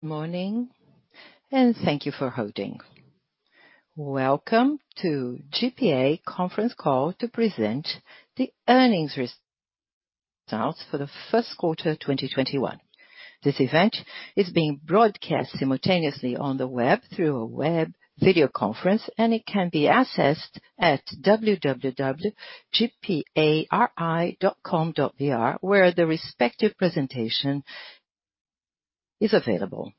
Morning, and thank you for holding. Welcome to GPA conference call to present the earnings results for the first quarter 2021. This event is being broadcast simultaneously on the web through a web video conference, and it can be accessed at www.gpari.com.br, where the respective presentation is available.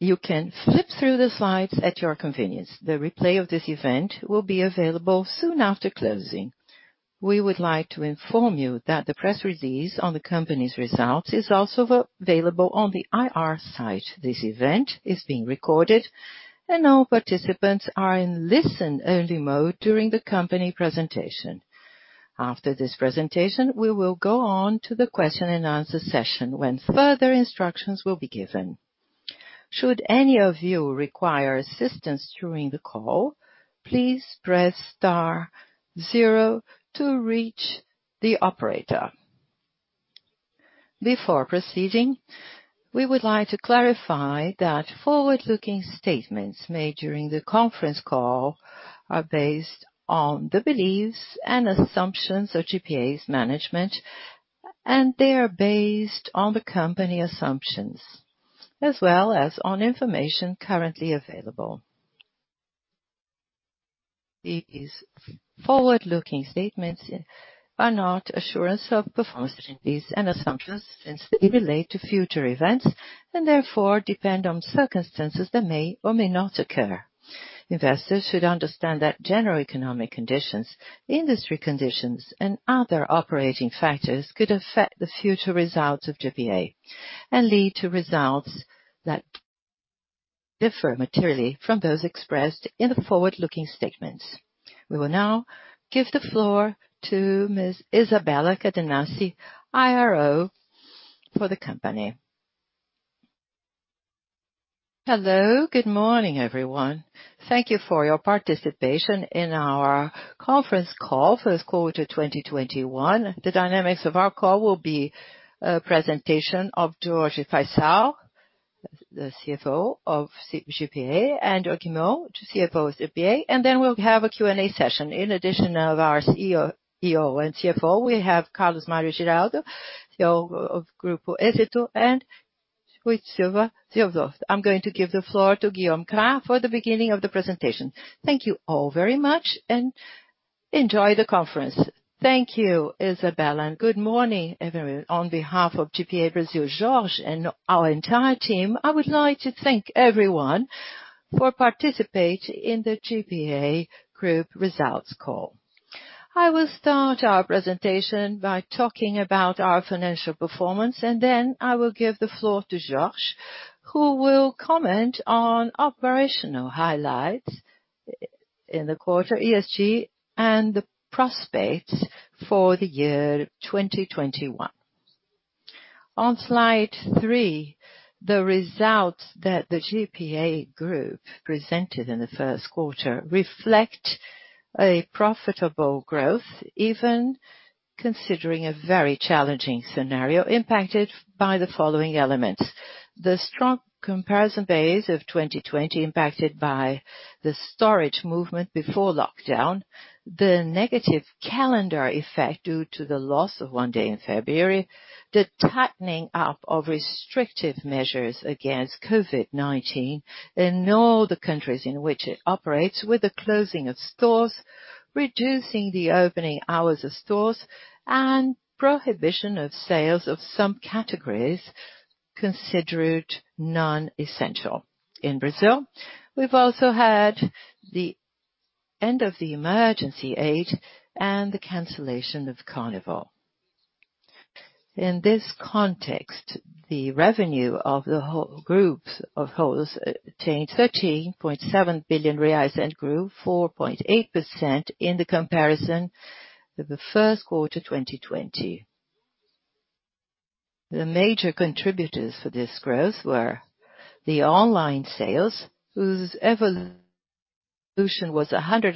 You can flip through the slides at your convenience. The replay of this event will be available soon after closing. We would like to inform you that the press release on the company's results is also available on the IR site. This event is being recorded and all participants are in listen only mode during the company presentation. After this presentation, we will go on to the question and answer session when further instructions will be given. Should any of you require assistance during the call, please press star zero to reach the operator. Before proceeding, we would like to clarify that forward-looking statements made during the conference call are based on the beliefs and assumptions of GPA's management, and they are based on the company assumptions as well as on information currently available. These forward-looking statements are not assurance of performance and assumptions since they relate to future events and therefore depend on circumstances that may or may not occur. Investors should understand that general economic conditions, industry conditions, and other operating factors could affect the future results of GPA and lead to results that differ materially from those expressed in the forward-looking statements. We will now give the floor to Ms. Isabela Cadenassi, IRO for the company. Hello. Good morning, everyone. Thank you for your participation in our conference call first quarter 2021.The dynamics of our call will be a presentation of Jorge Faiçal, the CFO of GPA, and Guillaume Gras, CFO of GPA, and then we'll have a Q&A session. In addition of our CEO and CFO, we have Carlos Mario Giraldo, CEO of Grupo Éxito, and Ruy Silva. I'm going to give the floor to Guillaume Gras for the beginning of the presentation. Thank you all very much, and enjoy the conference. Thank you, Isabela, and good morning, everyone. On behalf of GPA Brazil, Jorge, and our entire team, I would like to thank everyone for participate in the GPA Group results call. I will start our presentation by talking about our financial performance, and then I will give the floor to Jorge, who will comment on operational highlights in the quarter, ESG, and the prospects for the year 2021. On slide three, the results that the GPA presented in the first quarter reflect a profitable growth, even considering a very challenging scenario impacted by the following elements. The strong comparison base of 2020 impacted by the storage movement before lockdown, the negative calendar effect due to the loss of one day in February, the tightening up of restrictive measures against COVID-19 in all the countries in which it operates, with the closing of stores, reducing the opening hours of stores, and prohibition of sales of some categories considered non-essential. In Brazil, we've also had the end of the emergency aid and the cancellation of Carnival. In this context, the revenue of the group as a whole attained 13.7 billion reais and grew 4.8% in the comparison with the first quarter 2020. The major contributors for this growth were the online sales, whose evolution was 138%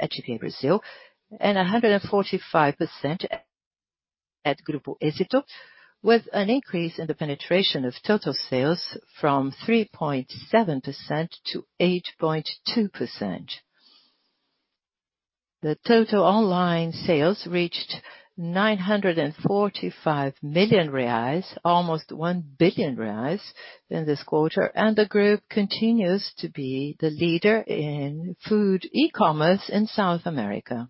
at GPA Brazil and 145% at Grupo Éxito, with an increase in the penetration of total sales from 3.7% to 8.2%. The total online sales reached 945 million reais, almost 1 billion reais in this quarter, and the group continues to be the leader in food e-commerce in South America.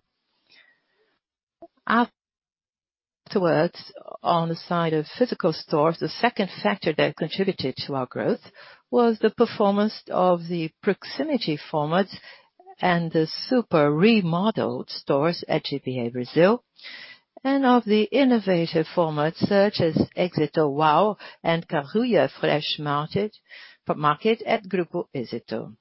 On the side of physical stores, the second factor that contributed to our growth was the performance of the proximity formats and the super remodeled stores at GPA Brazil, and of the innovative formats such as Éxito Wow and Carulla FreshMarket at Grupo Éxito.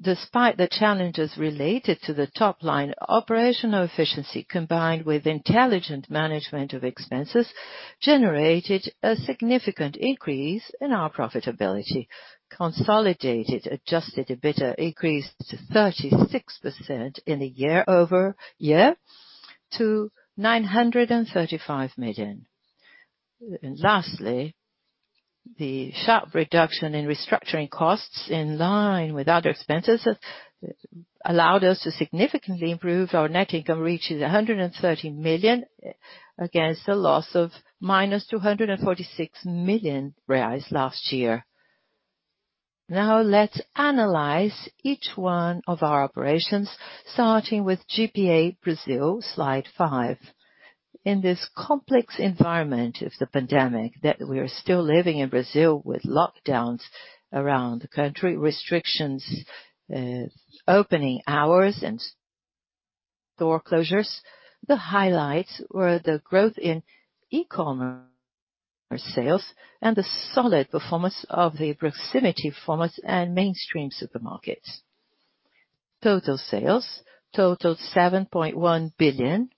Despite the challenges related to the top line, operational efficiency, combined with intelligent management of expenses, generated a significant increase in our profitability. Consolidated adjusted EBITDA increased to 36% in the year-over-year to BRL 935 million. Lastly, the sharp reduction in restructuring costs in line with other expenses, allowed us to significantly improve our net income reach to 130 million, against a loss of -246 million reais last year. Now let's analyze each one of our operations, starting with GPA Brazil, slide five. In this complex environment of the pandemic that we are still living in Brazil, with lockdowns around the country, restrictions, opening hours, and store closures, the highlights were the growth in e-commerce sales and the solid performance of the proximity formats and mainstream supermarkets. Total sales totaled 7.1 billion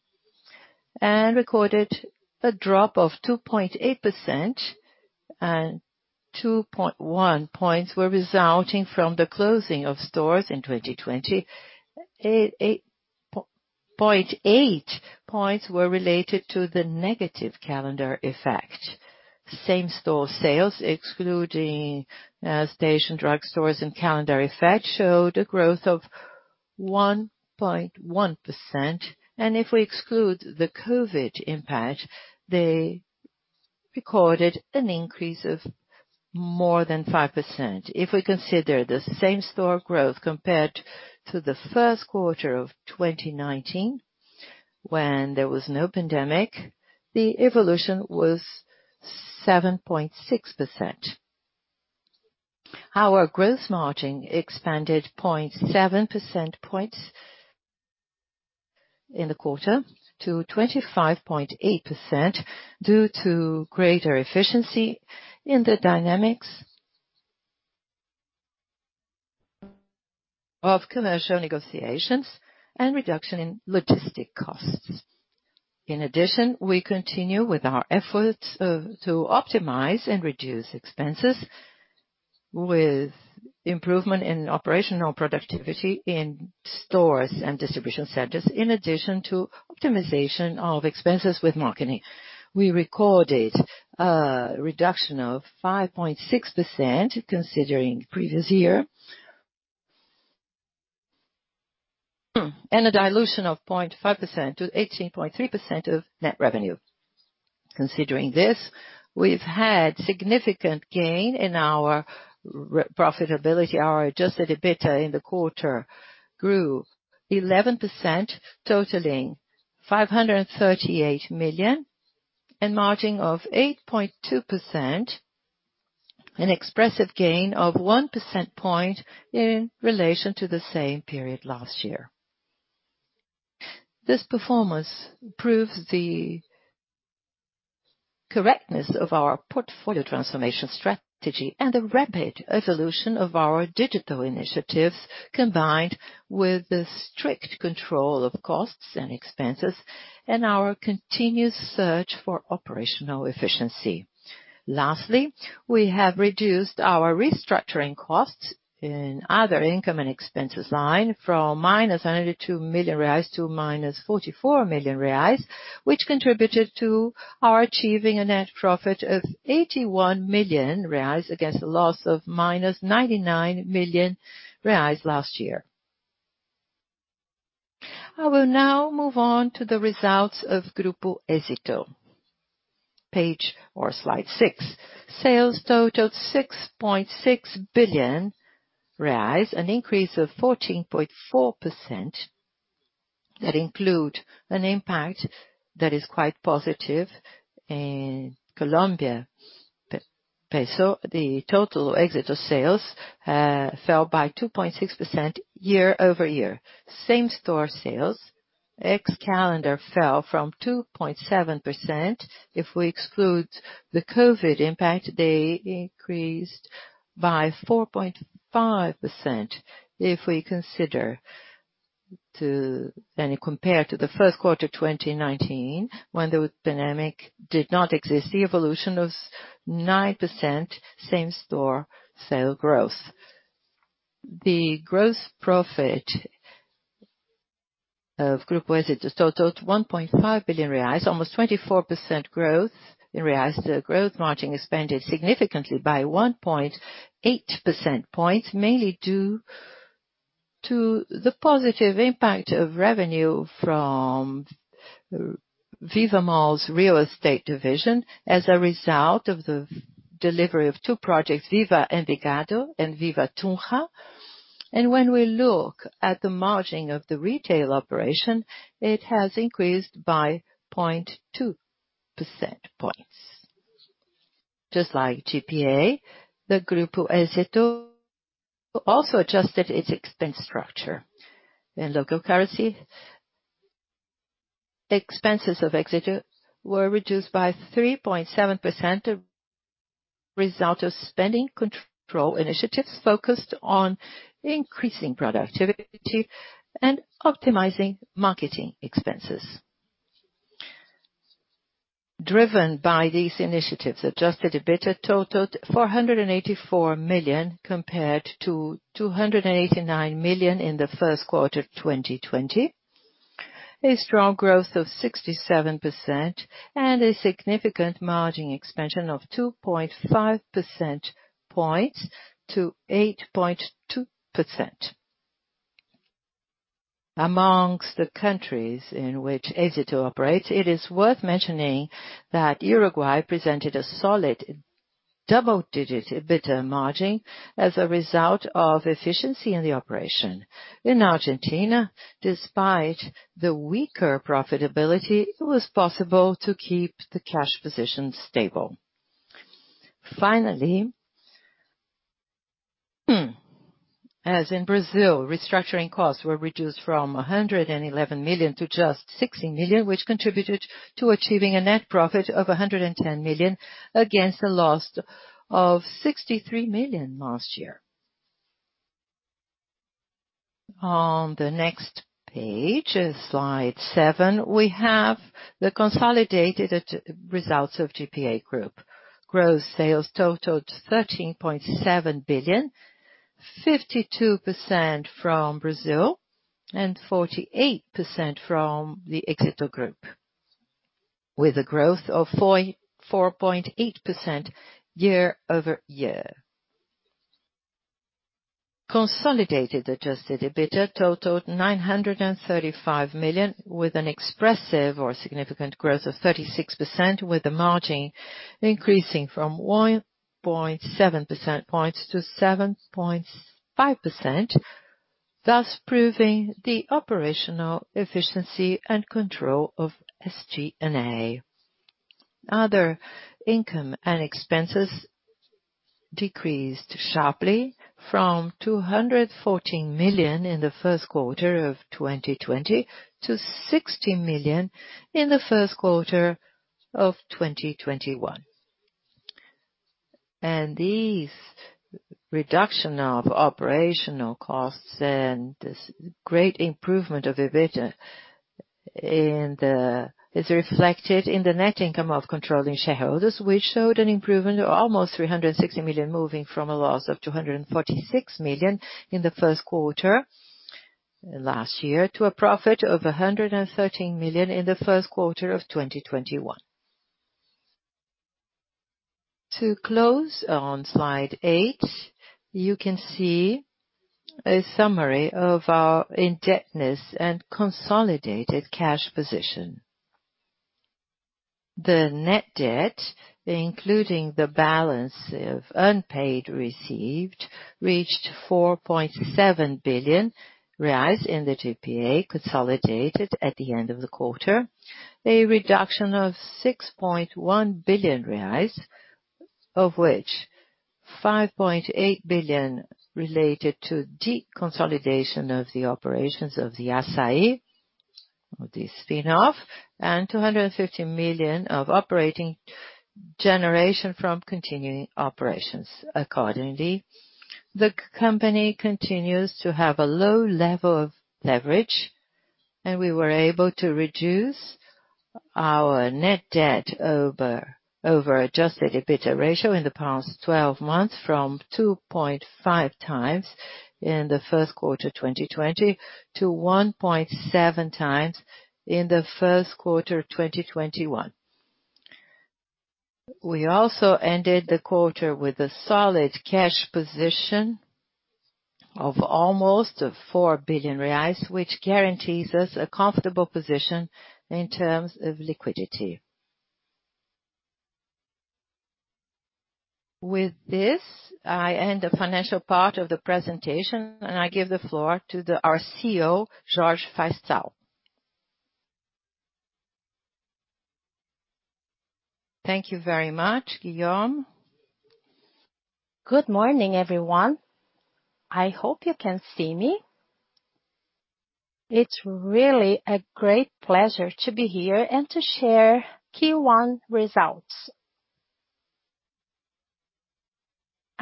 and recorded a drop of 2.8%, and 2.1 points were resulting from the closing of stores in 2020. 0.8 points were related to the negative calendar effect. Same-store sales, excluding station drugstores and calendar effect, showed a growth of 1.1%. If we exclude the COVID impact, they recorded an increase of more than 5%. If we consider the same-store growth compared to the first quarter of 2019, when there was no pandemic, the evolution was 7.6%. Our growth margin expanded 0.7% points in the quarter to 25.8% due to greater efficiency in the dynamics of commercial negotiations and reduction in logistic costs. We continue with our efforts to optimize and reduce expenses with improvement in operational productivity in stores and distribution centers, in addition to optimization of expenses with marketing. We recorded a reduction of 5.6% considering previous year, and a dilution of 0.5% to 18.3% of net revenue. Considering this, we've had significant gain in our profitability. Our adjusted EBITDA in the quarter grew 11%, totaling 538 million, and margin of 8.2%, an expressive gain of 1% point in relation to the same period last year. This performance proves the correctness of our portfolio transformation strategy and the rapid evolution of our digital initiatives, combined with the strict control of costs and expenses, and our continuous search for operational efficiency. Lastly, we have reduced our restructuring costs in other income and expenses line from -102 million reais to -44 million reais, which contributed to our achieving a net profit of 81 million reais against a loss of -99 million reais last year. I will now move on to the results of Grupo Éxito. Page or slide six. Sales totaled 6.6 billion reais, an increase of 14.4% that include an impact that is quite positive in Colombian Peso. The total Éxito sales fell by 2.6% year-over-year. Same-store sales ex-calendar fell from 2.7%. If we exclude the COVID impact, they increased by 4.5%. If we consider and compare to the first quarter 2019, when the pandemic did not exist, the evolution was 9% same-store sale growth. The growth profit of Grupo Éxito totaled 1.5 billion reais, almost 24% growth in BRL. The growth margin expanded significantly by 1.8% points, mainly due to the positive impact of revenue from Viva Malls real estate division as a result of the delivery of two projects, Viva Envigado and Viva Tunja. When we look at the margin of the retail operation, it has increased by 0.2% points. Just like GPA, the Grupo Éxito also adjusted its expense structure. In local currency, expenses of Éxito were reduced by 3.7% result of spending control initiatives focused on increasing productivity and optimizing marketing expenses. Driven by these initiatives, adjusted EBITDA totaled 484 million compared to 289 million in the first quarter of 2020. A strong growth of 67% and a significant margin expansion of 2.5 percentage points to 8.2%. Amongst the countries in which Éxito operates, it is worth mentioning that Uruguay presented a solid double-digit EBITDA margin as a result of efficiency in the operation. In Argentina, despite the weaker profitability, it was possible to keep the cash position stable. Finally, as in Brazil, restructuring costs were reduced from 111 million to just 60 million, which contributed to achieving a net profit of 110 million against a loss of 63 million last year. On the next page, slide seven, we have the consolidated results of GPA. Gross sales totaled 13.7 billion, 52% from Brazil and 48% from the Grupo Éxito, with a growth of 4.8% year-over-year. Consolidated adjusted EBITDA totaled 935 million with an expressive or significant growth of 36%, with the margin increasing from 1.7 percentage points to 7.5%, thus proving the operational efficiency and control of SG&A. Other income and expenses decreased sharply from 214 million in the first quarter of 2020 to 16 million in the first quarter of 2021. This reduction of operational costs and this great improvement of EBITDA is reflected in the net income of controlling shareholders, which showed an improvement of almost 360 million moving from a loss of 246 million in the first quarter last year to a profit of 113 million in the first quarter of 2021. To close on slide eight, you can see a summary of our indebtedness and consolidated cash position. The net debt, including the balance of unpaid received, reached 4.7 billion reais in the GPA consolidated at the end of the quarter. A reduction of 6.1 billion reais, of which 5.8 billion related to deconsolidation of the operations of the Assaí, of the spin-off, and 250 million of operating generation from continuing operations accordingly. The company continues to have a low level of leverage, and we were able to reduce our net debt over adjusted EBITDA ratio in the past 12 months from 2.5x in the first quarter of 2020 to 1.7x in the first quarter of 2021. We also ended the quarter with a solid cash position of almost 4 billion reais, which guarantees us a comfortable position in terms of liquidity. With this, I end the financial part of the presentation, and I give the floor to our CEO, Jorge Faiçal. Thank you very much, Guillaume. Good morning, everyone. I hope you can see me. It's really a great pleasure to be here and to share Q1 results.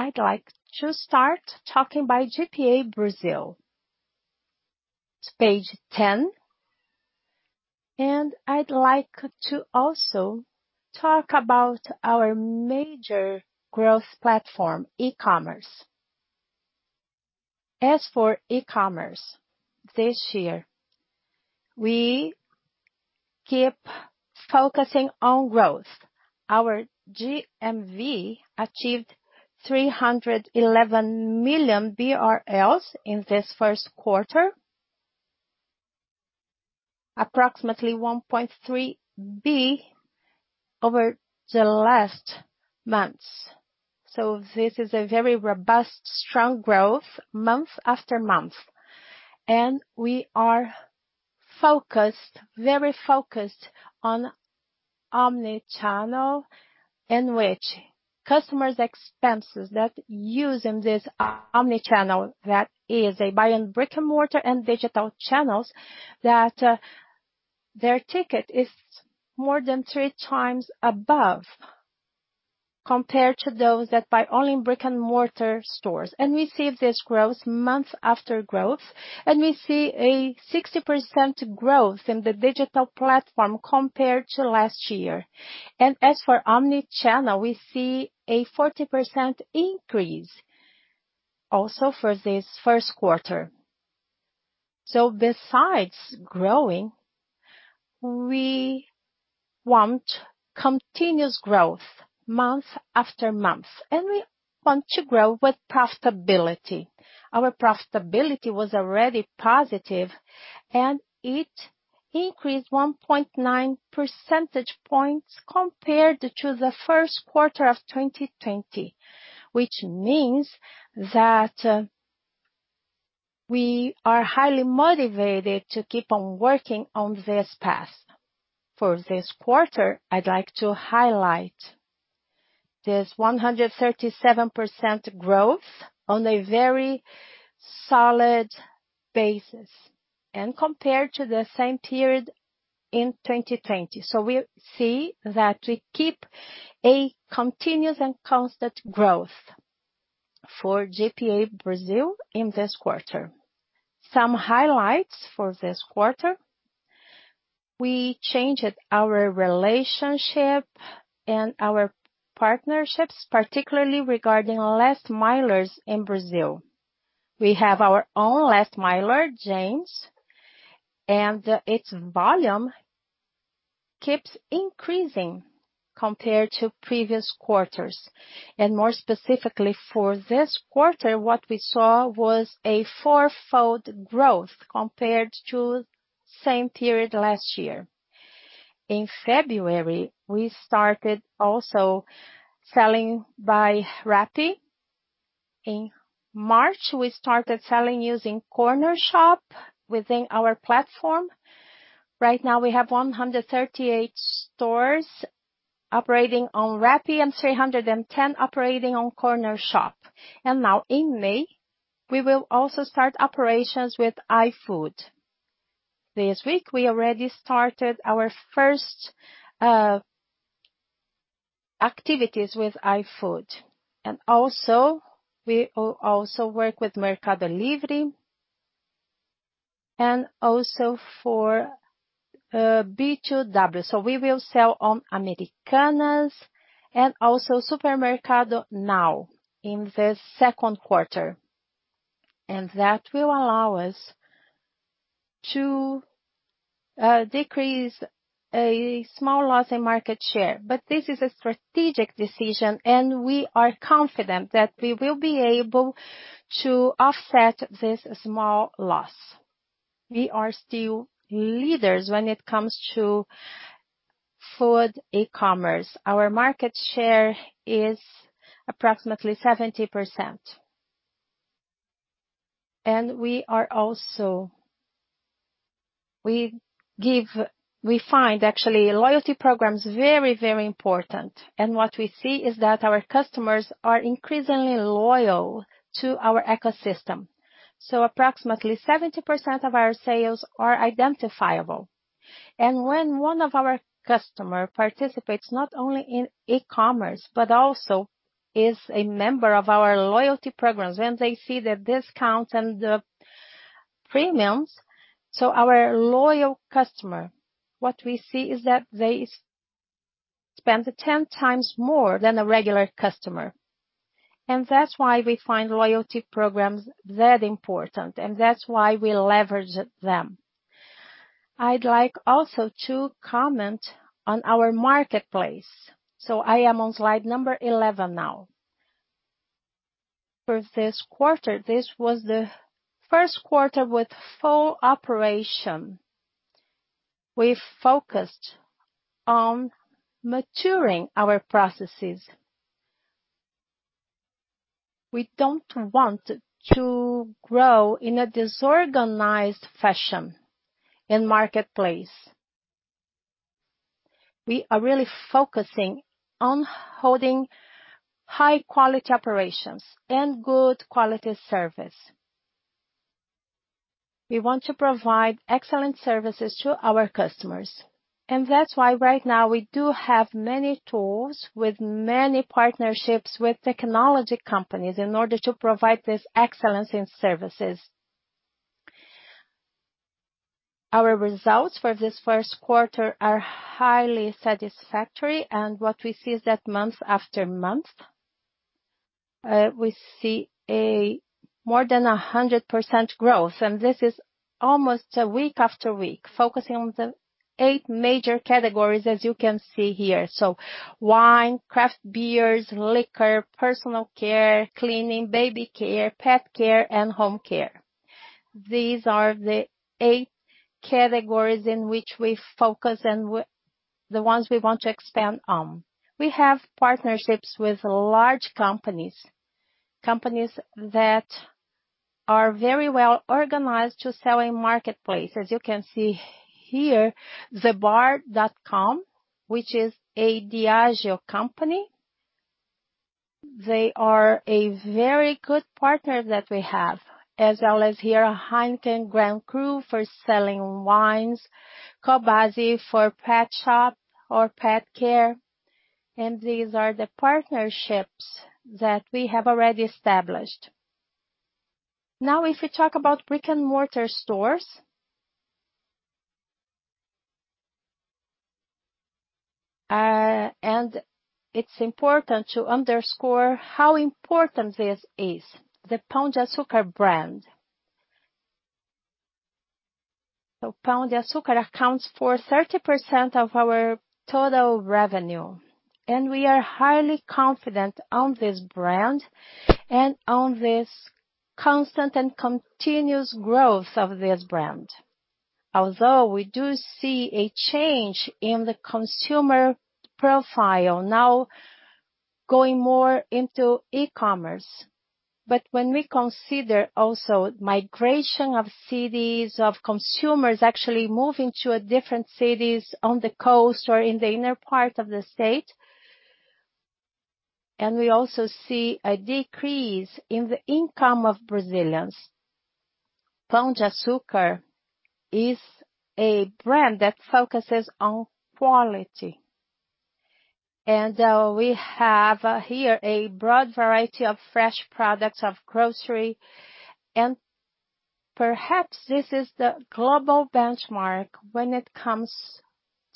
I'd like to start talking by GPA Brazil. It's page 10. I'd like to also talk about our major growth platform, e-commerce. As for e-commerce, this year we keep focusing on growth. Our GMV achieved 311 million BRL in this first quarter, approximately 1.3 billion over the last months. This is a very robust, strong growth month after month. We are very focused on omni-channel, in which customers' expenses that use this omni-channel, that is they buy on brick-and-mortar and digital channels, that their ticket is more than three times above compared to those that buy only in brick-and-mortar stores. We see this growth month after growth. We see a 60% growth in the digital platform compared to last year. As for omni-channel, we see a 40% increase also for this first quarter. Besides growing, we want continuous growth month after month, and we want to grow with profitability. Our profitability was already positive, and it increased 1.9 percentage points compared to the first quarter of 2020, which means that we are highly motivated to keep on working on this path. For this quarter, I'd like to highlight this 137% growth on a very solid basis and compared to the same period in 2020. We see that we keep a continuous and constant growth for GPA Brazil in this quarter. Some highlights for this quarter. We changed our relationship and our partnerships, particularly regarding last-milers in Brazil. We have our own last-miler, James, and its volume keeps increasing compared to previous quarters. More specifically for this quarter, what we saw was a fourfold growth compared to same period last year. In February, we started also selling by Rappi. In March, we started selling using Cornershop within our platform. Right now we have 138 stores operating on Rappi and 310 operating on Cornershop. Now in May, we will also start operations with iFood. This week, we already started our first activities with iFood. Also, we also work with Mercado Livre, and also for B2W. We will sell on Americanas and also Supermercado Now in the second quarter. That will allow us to decrease a small loss in market share. This is a strategic decision, and we are confident that we will be able to offset this small loss. We are still leaders when it comes to food e-commerce. Our market share is approximately 70%. We find actually loyalty programs very important. What we see is that our customers are increasingly loyal to our ecosystem. Approximately 70% of our sales are identifiable. When one of our customer participates not only in e-commerce, but also is a member of our loyalty programs, and they see the discounts and the premiums. Our loyal customer, what we see is that they spend 10x more than a regular customer. That's why we find loyalty programs that important, and that's why we leverage them. I'd like also to comment on our marketplace. I am on slide number 11 now. For this quarter, this was the first quarter with full operation. We've focused on maturing our processes. We don't want to grow in a disorganized fashion in marketplace. We are really focusing on holding high quality operations and good quality service. We want to provide excellent services to our customers. That's why right now we do have many tools with many partnerships with technology companies in order to provide this excellence in services. Our results for this first quarter are highly satisfactory, and what we see is that month after month, we see a more than 100% growth. This is almost week after week, focusing on the eight major categories as you can see here. Wine, craft beers, liquor, personal care, cleaning, baby care, pet care, and home care. These are the eight categories in which we focus and the ones we want to expand on. We have partnerships with large companies. Companies that are very well organized to sell in marketplace. As you can see here, thebar.com, which is a Diageo company. They are a very good partner that we have. As well as here, Heineken Grand Cru for selling wines, Cobasi for pet shop or pet care, and these are the partnerships that we have already established. Now, if we talk about brick-and-mortar stores, and it's important to underscore how important this is, the Pão de Açúcar brand. Pão de Açúcar accounts for 30% of our total revenue, and we are highly confident on this brand and on this constant and continuous growth of this brand. Although we do see a change in the consumer profile now going more into e-commerce. When we consider also migration of cities, of consumers actually moving to different cities on the coast or in the inner part of the state, and we also see a decrease in the income of Brazilians. Pão de Açúcar is a brand that focuses on quality. We have here a broad variety of fresh products of grocery, and perhaps this is the global benchmark when it comes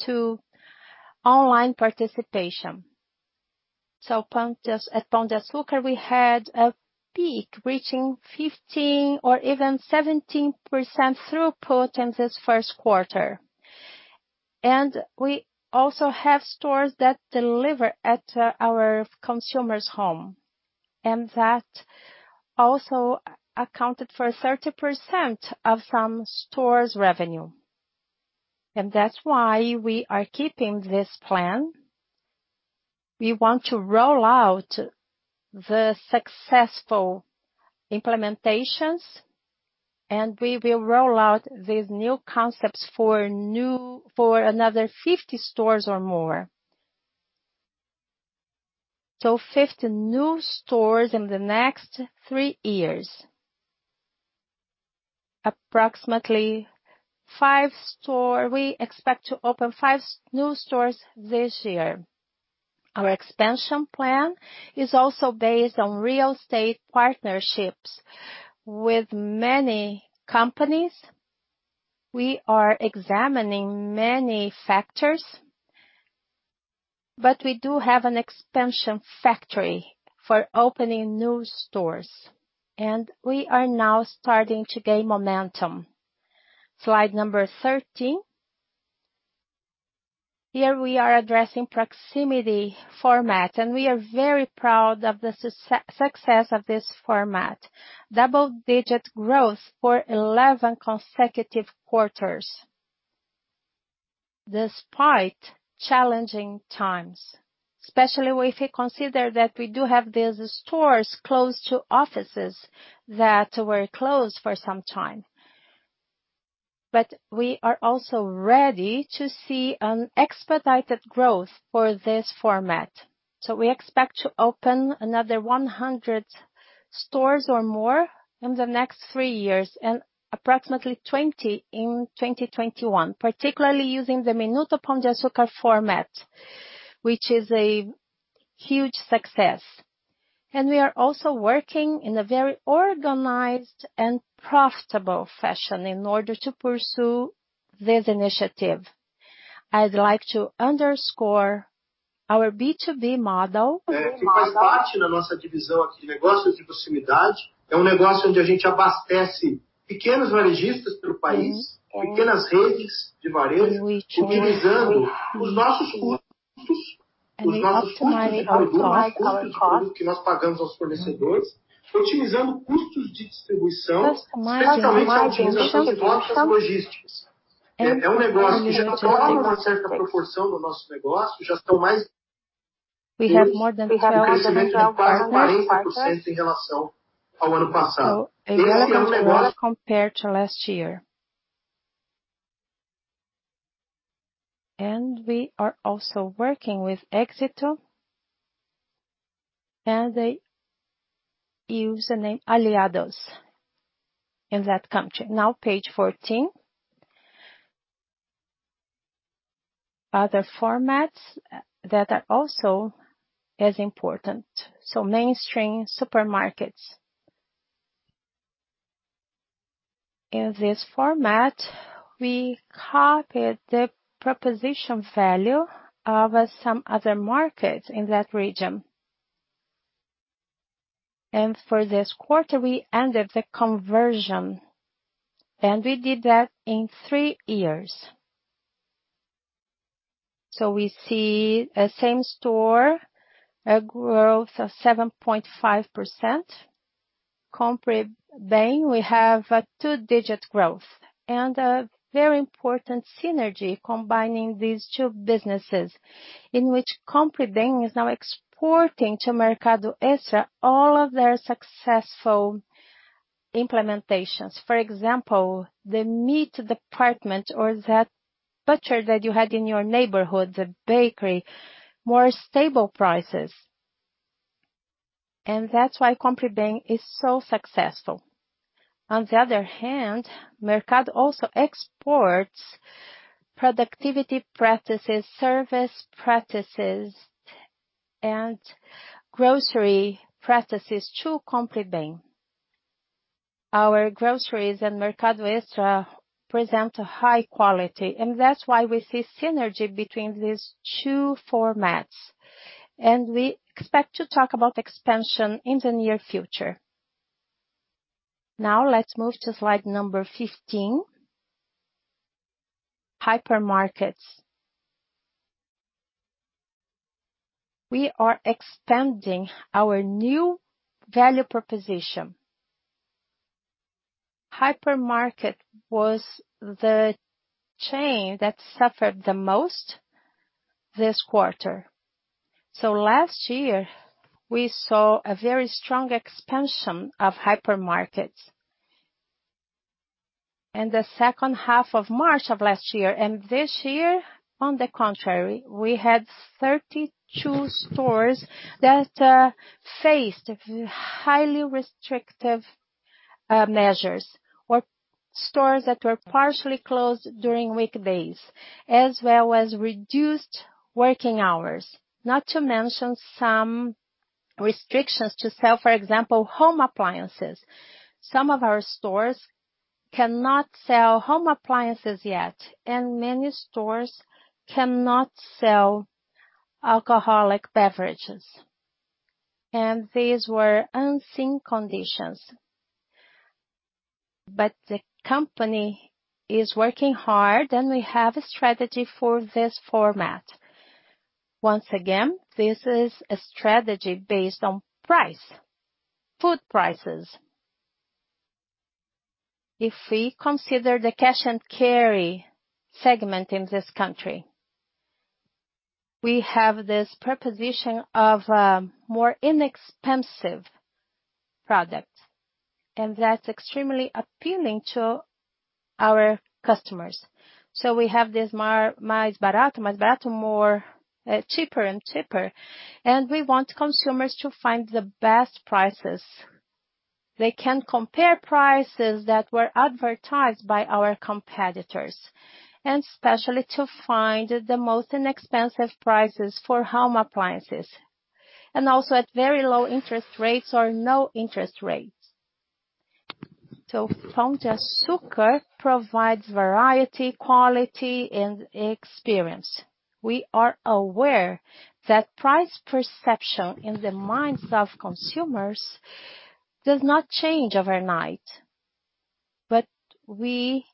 to online participation. At Pão de Açúcar, we had a peak reaching 15% or even 17% throughput in this first quarter. We also have stores that deliver at our consumer's home. That also accounted for 30% of some stores' revenue. That's why we are keeping this plan. We want to roll out the successful implementations, and we will roll out these new concepts for another 50 stores or more. 50 new stores in the next three years. We expect to open five new stores this year. Our expansion plan is also based on real estate partnerships with many companies. We are examining many factors, but we do have an expansion factory for opening new stores, and we are now starting to gain momentum. Slide number 13. Here we are addressing proximity format. We are very proud of the success of this format. Double-digit growth for 11 consecutive quarters, despite challenging times, especially if we consider that we do have these stores close to offices that were closed for some time. We are also ready to see an expedited growth for this format. We expect to open another 100 stores or more in the next three years and approximately 20 in 2021, particularly using the Minuto Pão de Açúcar format, which is a huge success. We are also working in a very organized and profitable fashion in order to pursue this initiative. I'd like to underscore our B2B model. We optimized our high cost. This margin optimization. We manage inventory perfectly. We have more than 400 virtual partners. A growth of 40% compared to last year. We are also working with Éxito, and they use the name Aliados in that country. Page 14. Other formats that are also as important. Mainstream supermarkets. In this format, we copied the proposition value of some other markets in that region. For this quarter, we ended the conversion, and we did that in three years. We see a same-store growth of 7.5%. Compre Bem, we have a two-digit growth. A very important synergy combining these two businesses, in which Compre Bem is now exporting to Mercado Extra all of their successful implementations. For example, the meat department or that butcher that you had in your neighborhood, the bakery, more stable prices. That's why Compre Bem is so successful. On the other hand, Mercado Extra also exports productivity practices, service practices, and grocery practices to Compre Bem. Our groceries and Mercado Extra present a high quality, and that's why we see synergy between these two formats. We expect to talk about expansion in the near future. Now let's move to slide number 15, hypermarkets. We are expanding our new value proposition. Hypermarket was the chain that suffered the most this quarter. Last year, we saw a very strong expansion of hypermarkets in the second half of March of last year. This year, on the contrary, we had 32 stores that faced highly restrictive measures, or stores that were partially closed during weekdays, as well as reduced working hours. Not to mention some restrictions to sell, for example, home appliances. Some of our stores cannot sell home appliances yet, and many stores cannot sell alcoholic beverages. These were unseen conditions. The company is working hard, and we have a strategy for this format. Once again, this is a strategy based on price, food prices. If we consider the cash and carry segment in this country, we have this proposition of more inexpensive products, and that's extremely appealing to our customers. We have this mais barato, more cheaper and cheaper, and we want consumers to find the best prices. They can compare prices that were advertised by our competitors, and especially to find the most inexpensive prices for home appliances. Also at very low interest rates or no interest rates. Pão de Açúcar provides variety, quality, and experience. We are aware that price perception in the minds of consumers does not change overnight. We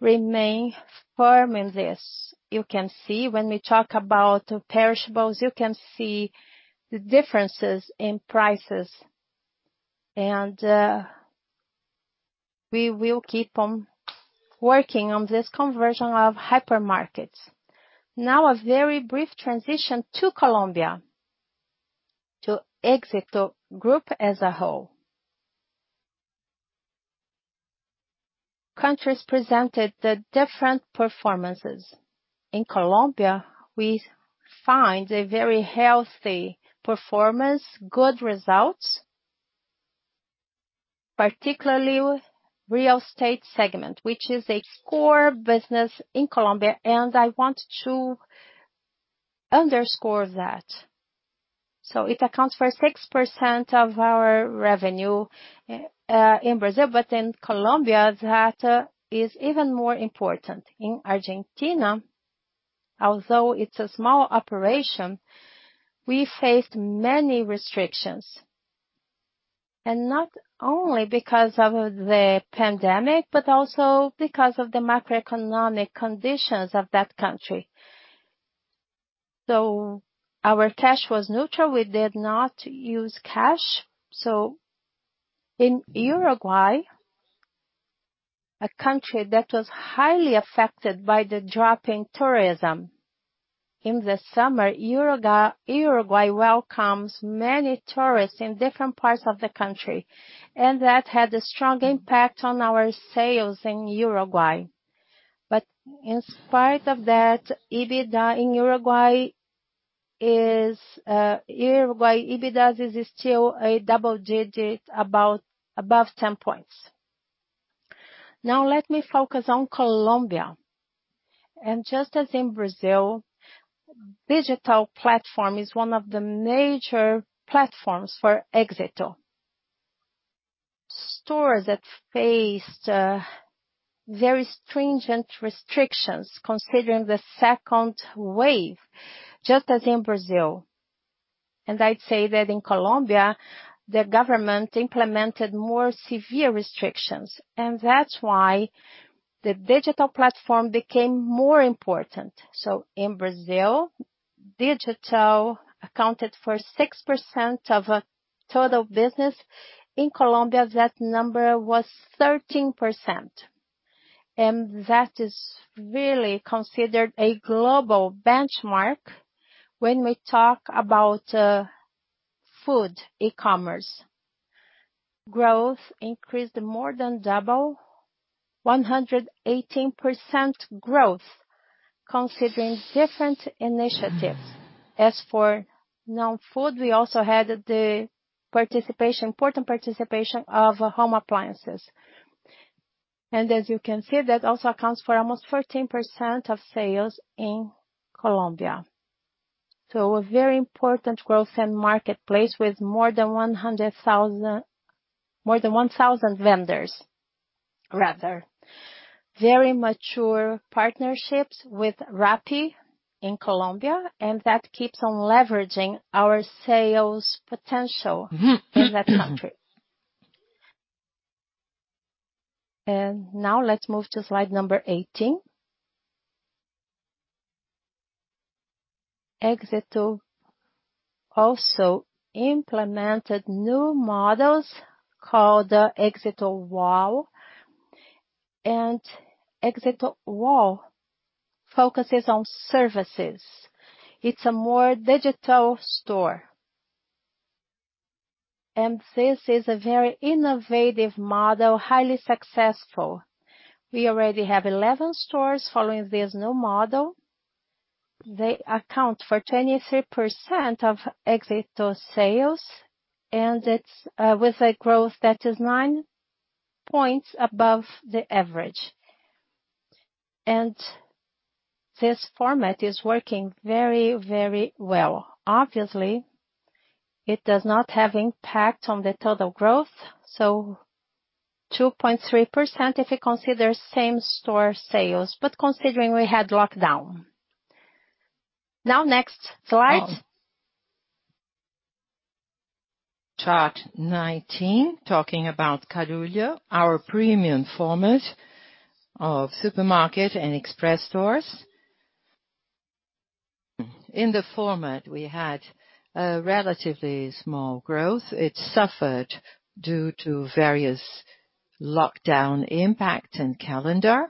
remain firm in this. You can see when we talk about perishables, you can see the differences in prices. We will keep on working on this conversion of hypermarkets. A very brief transition to Colombia, to Grupo Éxito as a whole. Countries presented the different performances. In Colombia, we find a very healthy performance, good results, particularly real estate segment, which is a core business in Colombia, and I want to underscore that. It accounts for 6% of our revenue in Brazil, but in Colombia, that is even more important. In Argentina, although it's a small operation, we faced many restrictions. Not only because of the pandemic, but also because of the macroeconomic conditions of that country. Our cash was neutral. We did not use cash. In Uruguay, a country that was highly affected by the drop in tourism. In the summer, Uruguay welcomes many tourists in different parts of the country, and that had a strong impact on our sales in Uruguay. In spite of that, Uruguay EBITDA is still a double-digit above 10 points. Let me focus on Colombia. Just as in Brazil, digital platform is one of the major platforms for Éxito. Stores that faced very stringent restrictions considering the second wave, just as in Brazil. I'd say that in Colombia, the government implemented more severe restrictions, and that's why the digital platform became more important. In Brazil, digital accounted for 6% of total business. In Colombia, that number was 13%. And that is really considered a global benchmark when we talk about food e-commerce. Growth increased more than double, 118% growth considering different initiatives. As for now, food, we also had the important participation of home appliances. As you can see, that also accounts for almost 14% of sales in Colombia. A very important growth and marketplace with more than 1,000 vendors. Very mature partnerships with Rappi in Colombia. That keeps on leveraging our sales potential in that country. Now, let's move to slide number 18. Éxito also implemented new models called the Éxito Wow. Éxito Wow focuses on services. It's a more digital store. This is a very innovative model, highly successful. We already have 11 stores following this new model. They account for 23% of Éxito sales. It's with a growth that is nine points above the average. This format is working very well. Obviously, it does not have impact on the total growth, so 2.3% if we consider same store sales, but considering we had lockdown. Now, next slide. Chart 19, talking about Carulla, our premium format of supermarket and express stores. In the format, we had a relatively small growth. It suffered due to various lockdown impact and calendar.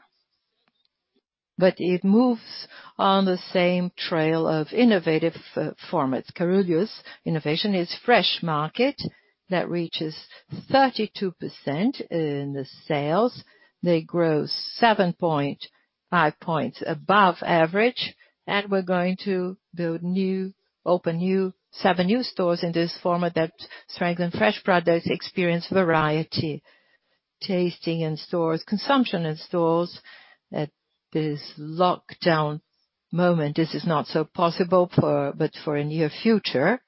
It moves on the same trail of innovative formats. Carulla's innovation is FreshMarket that reaches 32% in the sales. We're going to open seven new stores in this format that strengthen fresh products, experience variety, tasting in stores, consumption in stores. At this lockdown moment, this is not so possible. For near future,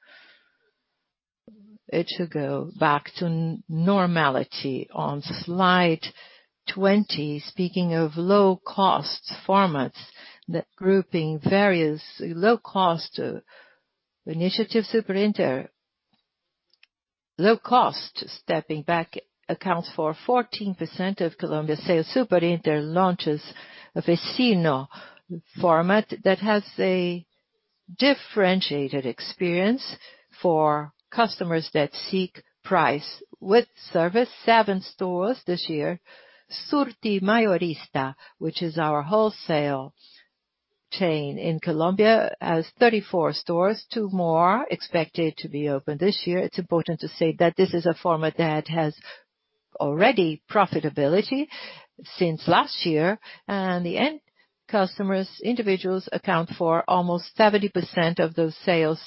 it should go back to normality. On slide 20, speaking of low costs formats, that grouping various low cost initiative, Super Inter. Low cost, stepping back, accounts for 14% of Colombia's sales. Super Inter launches a Vecino format that has a differentiated experience for customers that seek price with service. Seven stores this year. Surtimayorista, which is our wholesale chain in Colombia, has 34 stores, two more expected to be opened this year. It is important to say that this is a format that has already profitability since last year, and the end customers, individuals account for almost 70% of those sales.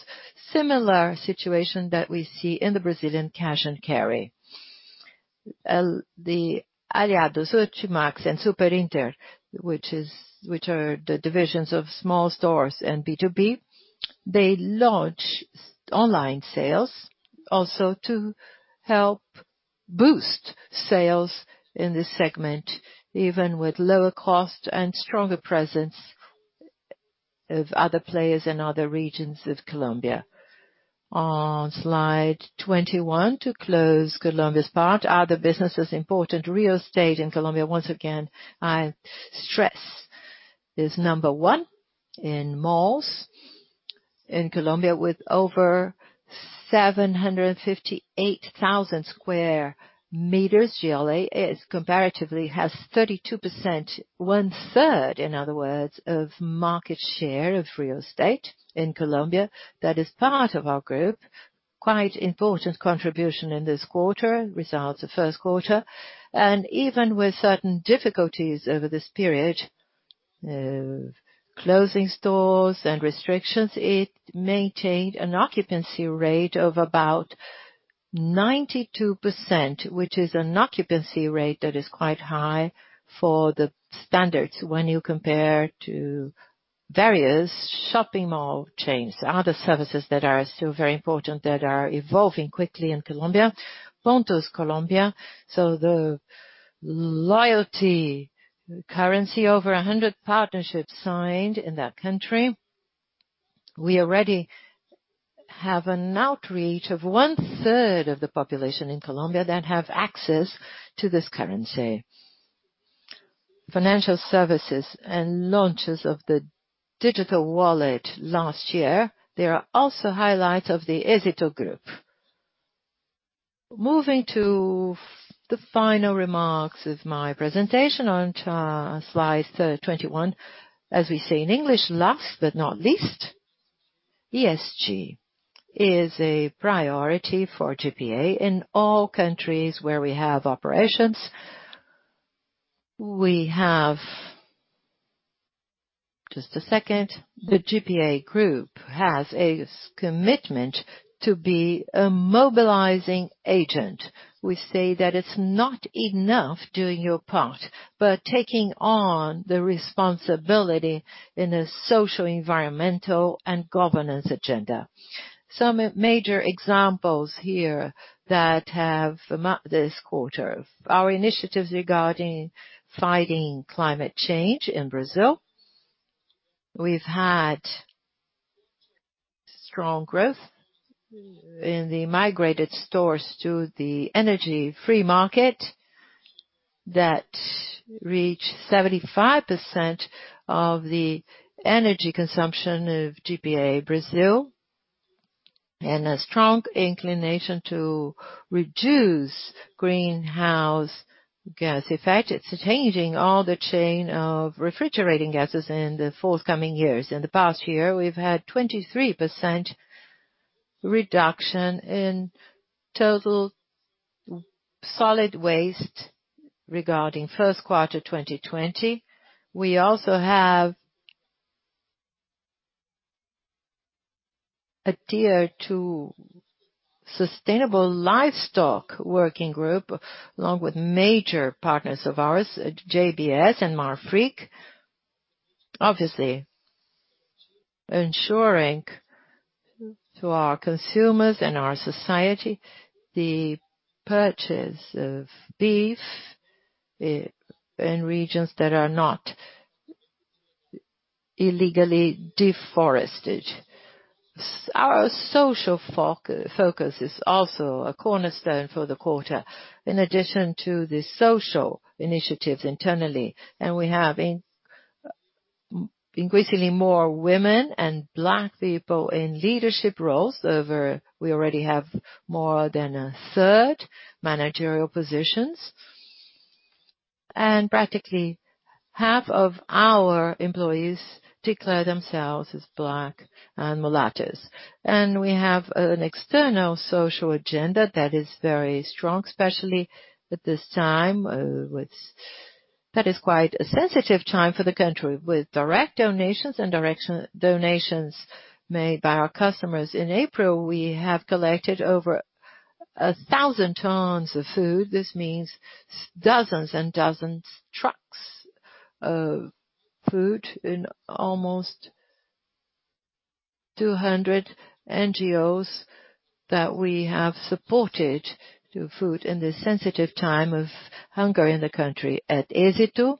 Similar situation that we see in the Brazilian cash-and-carry. The Aliados, Surtimax, and Super Inter, which are the divisions of small stores and B2B, they launch online sales also to help boost sales in this segment, even with lower cost and stronger presence of other players in other regions of Colombia. On slide 21, to close Colombia's part. Other businesses important, real estate in Colombia, once again, I stress, is number one in malls in Colombia with over 758,000 sq m GLA. It comparatively has 32%, one-third, in other words, of market share of real estate in Colombia that is part of our group. Quite important contribution in this quarter, results of first quarter. Even with certain difficulties over this period of closing stores and restrictions, it maintained an occupancy rate of about 92%, which is an occupancy rate that is quite high for the standards when you compare to various shopping mall chains. Other services that are still very important that are evolving quickly in Colombia. Puntos Colombia. The loyalty currency, over 100 partnerships signed in that country. We already have an outreach of one-third of the population in Colombia that have access to this currency. Financial services and launches of the digital wallet last year. They are also highlights of the Grupo Éxito. Moving to the final remarks of my presentation onto slide 21. As we say in English, last but not least, ESG is a priority for GPA in all countries where we have operations. Just a second. The GPA group has a commitment to be a mobilizing agent. We say that it's not enough doing your part, but taking on the responsibility in a social, environmental, and governance agenda. Some major examples here that have, this quarter, our initiatives regarding fighting climate change in Brazil. We've had strong growth in the migrated stores to the energy-free market that reach 75% of the energy consumption of GPA, Brazil, and a strong inclination to reduce greenhouse gas effect. It's changing all the chain of refrigerating gases in the forthcoming years. In the past year, we've had 23% reduction in total solid waste regarding first quarter 2020. We also have adhere to Sustainable Livestock working group, along with major partners of ours, JBS and Marfrig. Obviously, ensuring to our consumers and our society the purchase of beef in regions that are not illegally deforested. Our social focus is also a cornerstone for the quarter. In addition to the social initiatives internally, we have increasingly more women and Black people in leadership roles. We already have more than a third managerial positions. Practically, half of our employees declare themselves as Black and mulattos. We have an external social agenda that is very strong, especially at this time that is quite a sensitive time for the country. With direct donations and direct donations made by our customers in April, we have collected over 1,000 tons of food. This means dozens and dozens trucks of food in almost 200 NGOs that we have supported to food in this sensitive time of hunger in the country. At Éxito,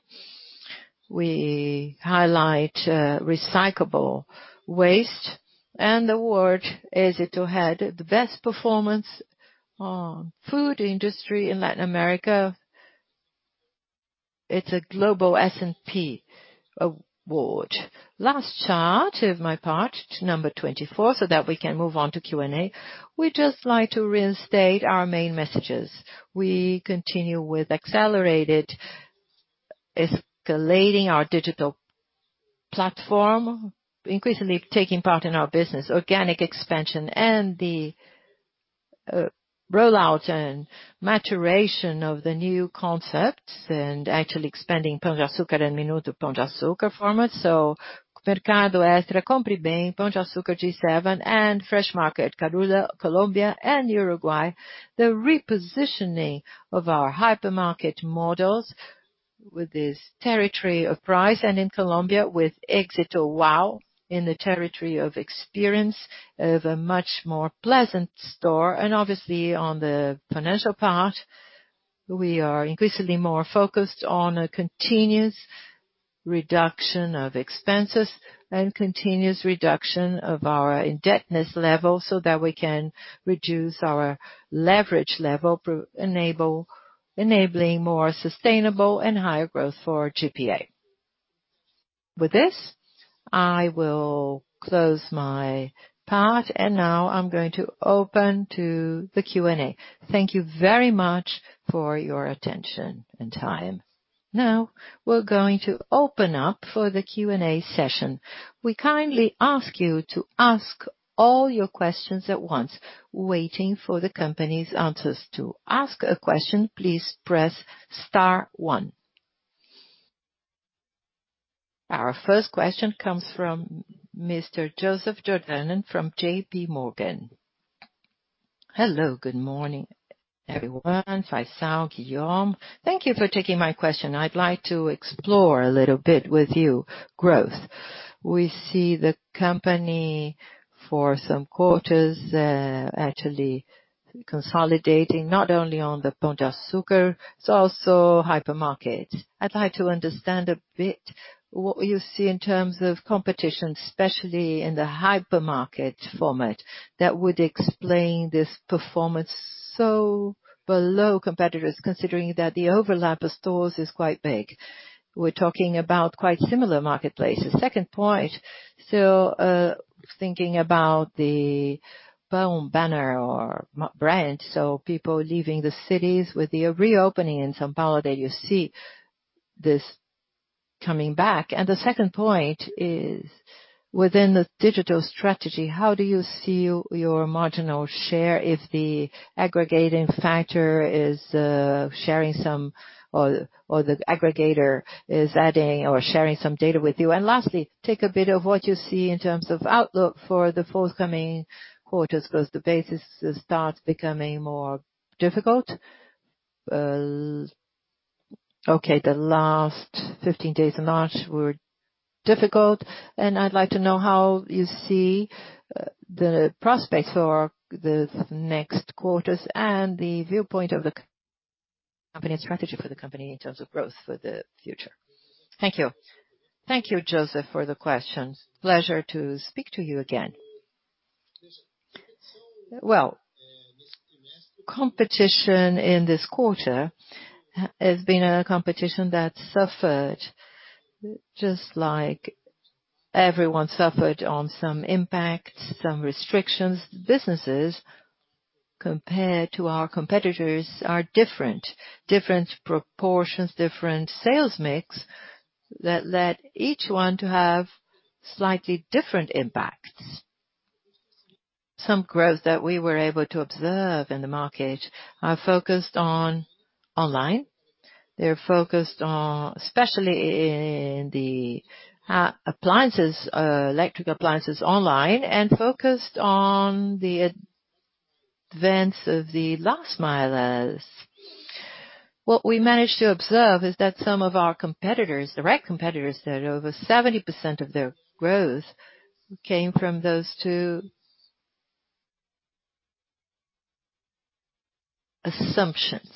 we highlight recyclable waste and award Éxito had the best performance on food industry in Latin America. It's a global S&P award. Last chart of my part, number 24, so that we can move on to Q&A. We'd just like to reinstate our main messages. We continue with accelerated, escalating our digital platform, increasingly taking part in our business organic expansion and the rollout and maturation of the new concepts and actually expanding Pão de Açúcar and Minuto Pão de Açúcar format. Mercado Extra, Compre Bem, Pão de Açúcar, G7, FreshMarket, Carulla, Colombia, and Uruguay. The repositioning of our hypermarket models with this territory of price, and in Colombia with Éxito wow in the territory of experience of a much more pleasant store. Obviously on the financial part, we are increasingly more focused on a continuous reduction of expenses and continuous reduction of our indebtedness level so that we can reduce our leverage level, enabling more sustainable and higher growth for GPA. With this, I will close my part and now I'm going to open to the Q&A. Thank you very much for your attention and time. We're going to open up for the Q&A session. We kindly ask you to ask all your questions at once, waiting for the company's answers. To ask a question, please press star one. Our first question comes from Mr. Joseph Giordano from JPMorgan. Hello. Good morning, everyone. Faiçal, Guillaume. Thank you for taking my question. I'd like to explore a little bit with you growth. We see the company for some quarters actually consolidating not only on the Pão de Açúcar, it is also hypermarket. I would like to understand a bit what you see in terms of competition, especially in the hypermarket format, that would explain this performance so below competitors, considering that the overlap of stores is quite big. We are talking about quite similar marketplaces. Second point, thinking about the Pão banner or brand, people leaving the cities with the reopening in São Paulo, that you see this coming back. The second point is, within the digital strategy, how do you see your marginal share if the aggregating factor is or the aggregator is adding or sharing some data with you? Lastly, take a bit of what you see in terms of outlook for the forthcoming quarters, because the basis starts becoming more difficult. The last 15 days of March were difficult, and I'd like to know how you see the prospects for the next quarters and the viewpoint of the company and strategy for the company in terms of growth for the future. Thank you. Thank you, Joseph, for the questions. Pleasure to speak to you again. Well, competition in this quarter has been a competition that suffered, just like everyone suffered on some impact, some restrictions. Businesses, compared to our competitors, are different. Different proportions, different sales mix that led each one to have slightly different impacts. Some growth that we were able to observe in the market are focused on online. They're focused on, especially in the electric appliances online, and focused on the advance of the last-milers. What we managed to observe is that some of our competitors, direct competitors, that over 70% of their growth came from those two assumptions.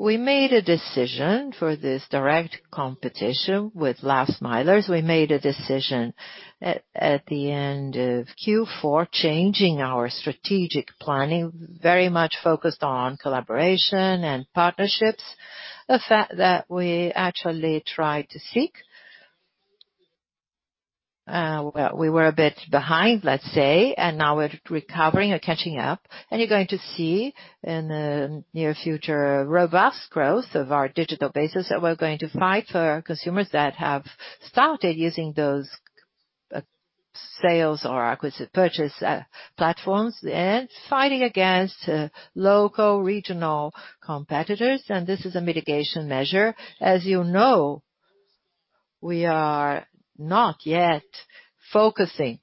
We made a decision for this direct competition with last-milers. We made a decision at the end of Q4, changing our strategic planning, very much focused on collaboration and partnerships. A fact that we actually tried to seek, where we were a bit behind, let's say, and now we're recovering or catching up, and you're going to see in the near future, robust growth of our digital basis that we're going to fight for consumers that have started using those sales or purchase platforms. Fighting against local regional competitors, and this is a mitigation measure. As you know, we are not yet focusing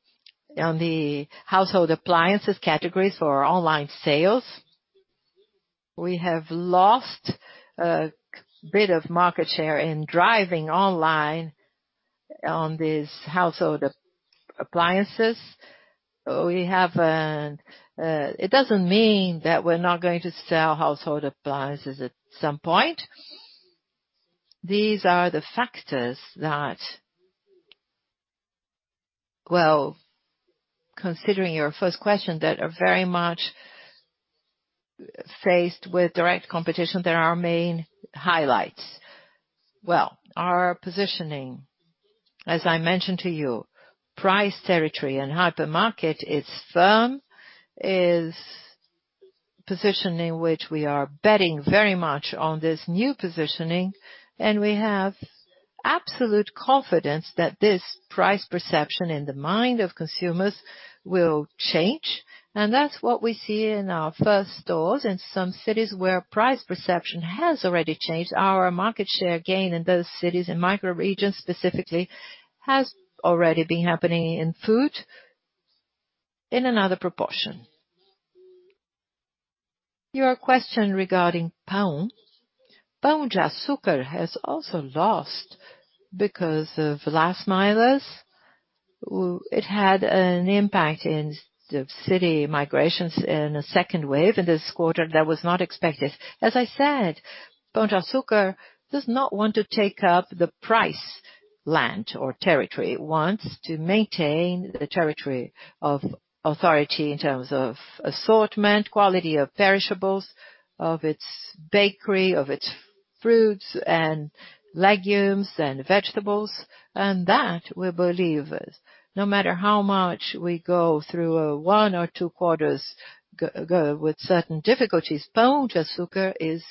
on the household appliances categories for online sales. We have lost a bit of market share in driving online on these household appliances. It doesn't mean that we're not going to sell household appliances at some point. These are the factors that, well, considering your first question, that are very much faced with direct competition. They're our main highlights. Well, our positioning, as I mentioned to you, price territory and hypermarket is firm, is positioning which we are betting very much on this new positioning, and we have absolute confidence that this price perception in the mind of consumers will change. That's what we see in our first stores in some cities where price perception has already changed. Our market share gain in those cities, in micro regions specifically, has already been happening in food in another proportion. Your question regarding Pão. Pão de Açúcar has also lost because of last-milers. It had an impact in the city migrations in a second wave in this quarter that was not expected. As I said, Pão de Açúcar does not want to take up the price land or territory. It wants to maintain the territory of authority in terms of assortment, quality of perishables, of its bakery, of its fruits and legumes and vegetables. That we believe is, no matter how much we go through one or two quarters with certain difficulties, Pão de Açúcar is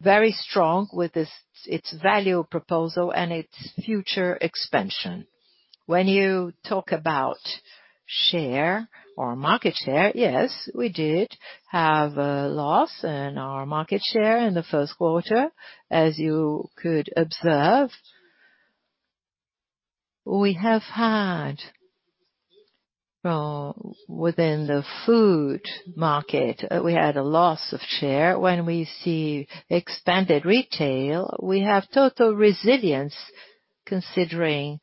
very strong with its value proposal and its future expansion. When you talk about share or market share, yes, we did have a loss in our market share in the first quarter, as you could observe. Within the food market, we had a loss of share. When we see expanded retail, we have total resilience. Considering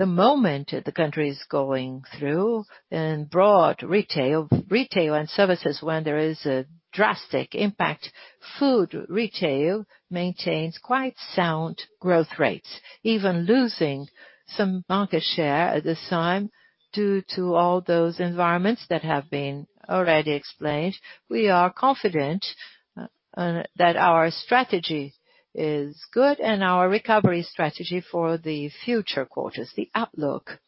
the moment the country is going through in broad retail and services, when there is a drastic impact, food retail maintains quite sound growth rates. Even losing some market share at this time due to all those environments that have been already explained, we are confident that our strategy is good and our recovery strategy for the future quarters, the outlook.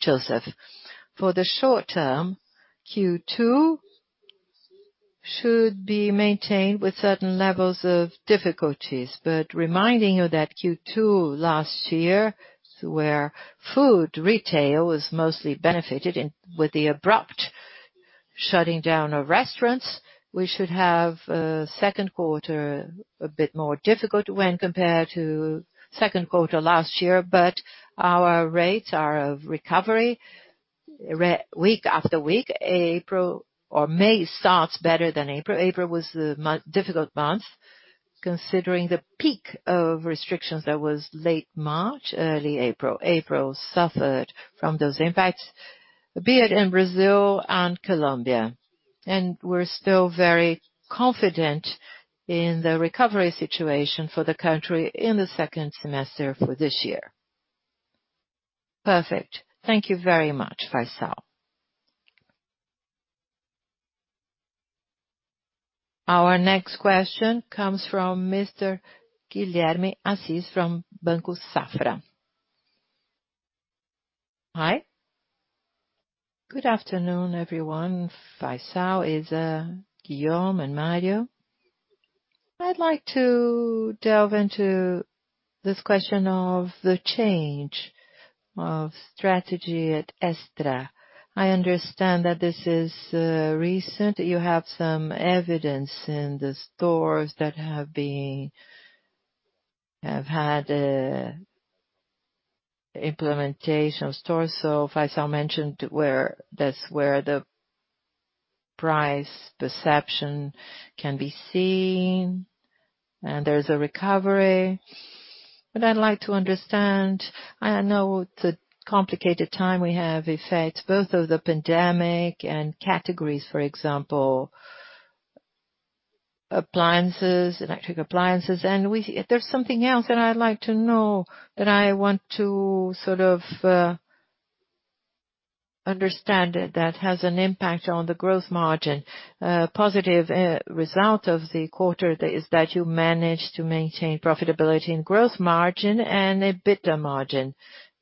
Joseph, for the short term, Q2 should be maintained with certain levels of difficulties. Reminding you that Q2 last year, where food retail was mostly benefited with the abrupt shutting down of restaurants, we should have a second quarter a bit more difficult when compared to second quarter last year. Our rates are of recovery week after week. May starts better than April. April was a difficult month, considering the peak of restrictions that was late March, early April. April suffered from those impacts, be it in Brazil and Colombia. We're still very confident in the recovery situation for the country in the second semester for this year. Perfect. Thank you very much, Jorge Faiçal. Our next question comes from Mr. Guilherme Assis from Banco Safra. Hi. Good afternoon, everyone. Jorge Faiçal, Isabela Cadenassi, Guillaume Gras, and Mario. I'd like to delve into this question of the change of strategy at Extra. I understand that this is recent. You have some evidence in the stores that have had implementation of stores. Jorge Faiçal mentioned that's where the price perception can be seen and there's a recovery. I'd like to understand, I know it's a complicated time we have effect both of the pandemic and categories, for example, electric appliances. There's something else that I'd like to know, that I want to sort of understand that has an impact on the gross margin. A positive result of the quarter is that you managed to maintain profitability in gross margin and EBITDA margin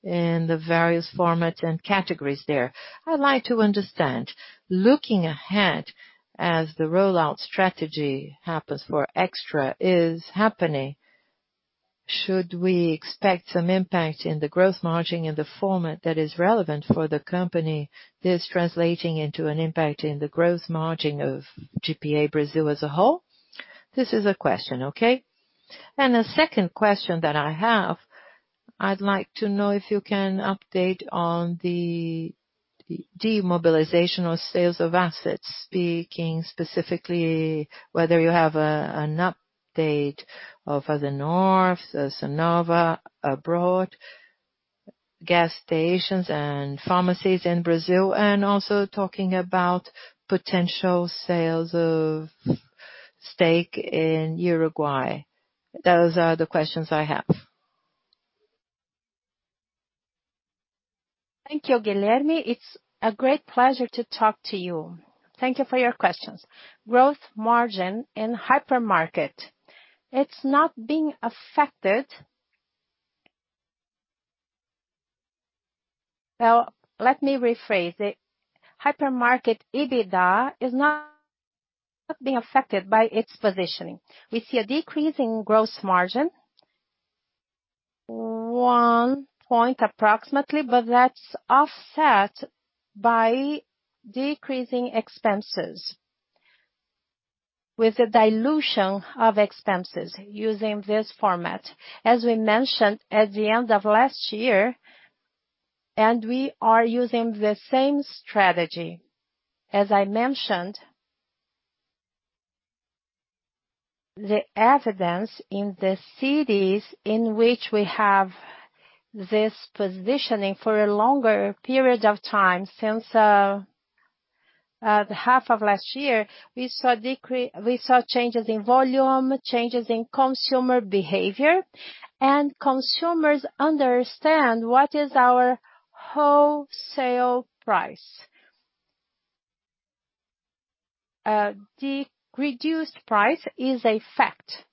in the various formats and categories there. I'd like to understand, looking ahead as the rollout strategy happens for Extra is happening, should we expect some impact in the gross margin in the format that is relevant for the company, this translating into an impact in the gross margin of GPA Brazil as a whole? This is a question. A second question that I have. I'd like to know if you can update on the demobilization of sales of assets, speaking specifically whether you have an update of Éxito, Cnova abroad, gas stations and pharmacies in Brazil, and also talking about potential sales of stake in Uruguay. Those are the questions I have. Thank you, Guilherme. It's a great pleasure to talk to you. Thank you for your questions. Gross margin in hypermarket. It's not being affected. Well, let me rephrase it. Hypermarket EBITDA is not being affected by its positioning. We see a decrease in gross margin, one point approximately, but that's offset by decreasing expenses with the dilution of expenses using this format. As we mentioned at the end of last year, we are using the same strategy. As I mentioned, the evidence in the cities in which we have this positioning for a longer period of time since half of last year, we saw changes in volume, changes in consumer behavior, and consumers understand what is our wholesale price. A reduced price is a fact.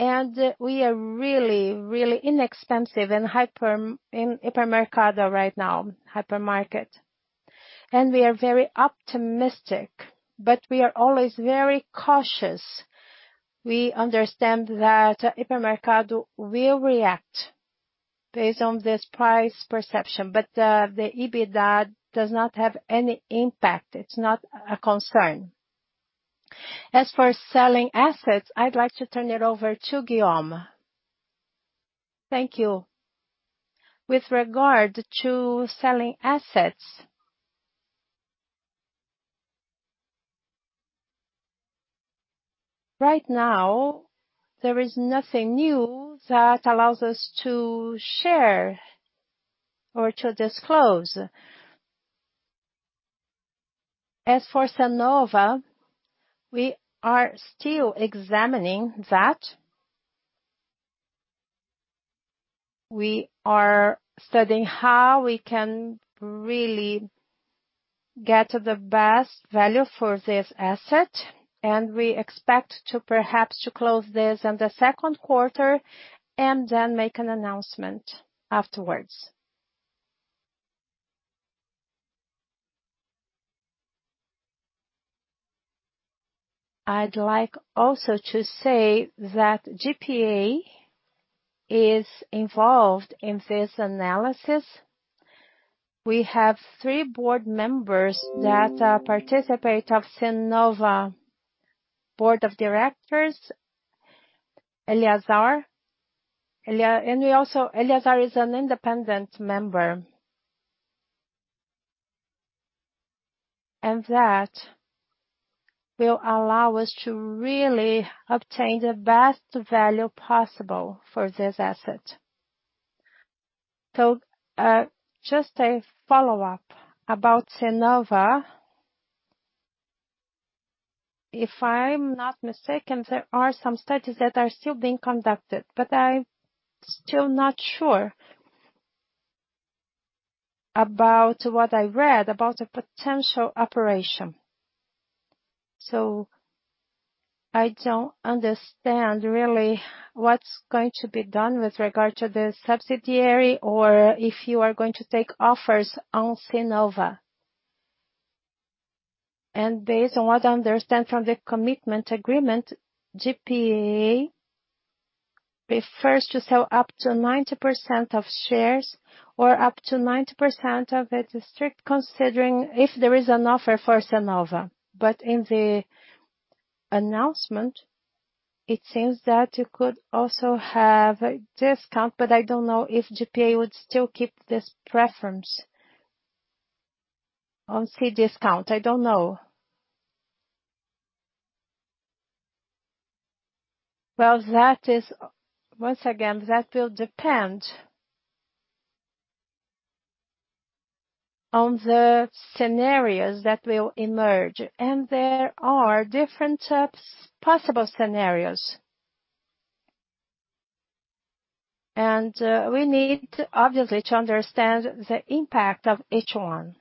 We are really inexpensive in Hipermercado right now, hypermarket. We are very optimistic, but we are always very cautious. We understand that Hipermercado will react based on this price perception. The EBITDA does not have any impact. It's not a concern. As for selling assets, I'd like to turn it over to Guillaume. Thank you. With regard to selling assets. Right now, there is nothing new that allows us to share or to disclose. As for Cnova, we are still examining that. We are studying how we can really get the best value for this asset. We expect to perhaps close this in the second quarter. Then make an announcement afterwards. I'd like also to say that GPA is involved in this analysis. We have three board members that participate of Cnova board of directors. Eleazar. Eleazar is an independent member. That will allow us to really obtain the best value possible for this asset. Just a follow-up about Cnova. If I'm not mistaken, there are some studies that are still being conducted. I'm still not sure about what I read about the potential operation.I don't understand really what's going to be done with regard to the subsidiary or if you are going to take offers on Cnova. Based on what I understand from the commitment agreement, GPA prefers to sell up to 90% of shares or up to 90% of the district, considering if there is an offer for Cnova. In the announcement, it seems that you could also have a discount, but I don't know if GPA would still keep this preference on Cdiscount. I don't know. Well, once again, that will depend on the scenarios that will emerge, and there are different possible scenarios. We need, obviously, to understand the impact of each one.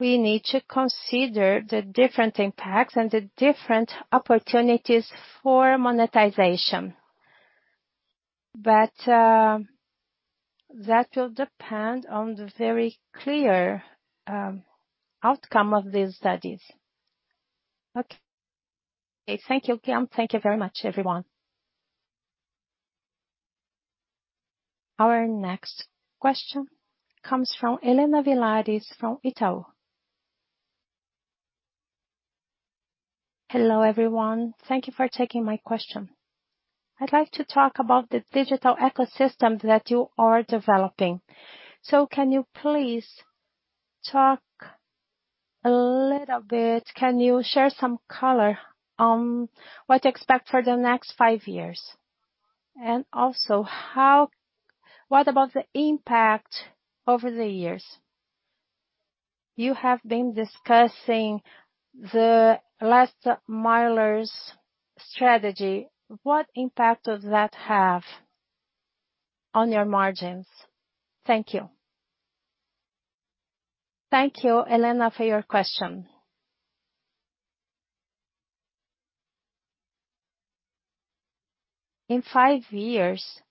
We need to consider the different impacts and the different opportunities for monetization. That will depend on the very clear outcome of these studies. Okay. Thank you, Guillaume.Thank you very much, everyone. Our next question comes from Helena Villares from Itaú BBA. Hello, everyone. Thank you for taking my question. I'd like to talk about the digital ecosystems that you are developing. Can you please talk a little bit, can you share some color on what to expect for the next five years? What about the impact over the years? You have been discussing the last-milers strategy. What impact does that have on your margins? Thank you. Thank you, Helena, for your question. In five years,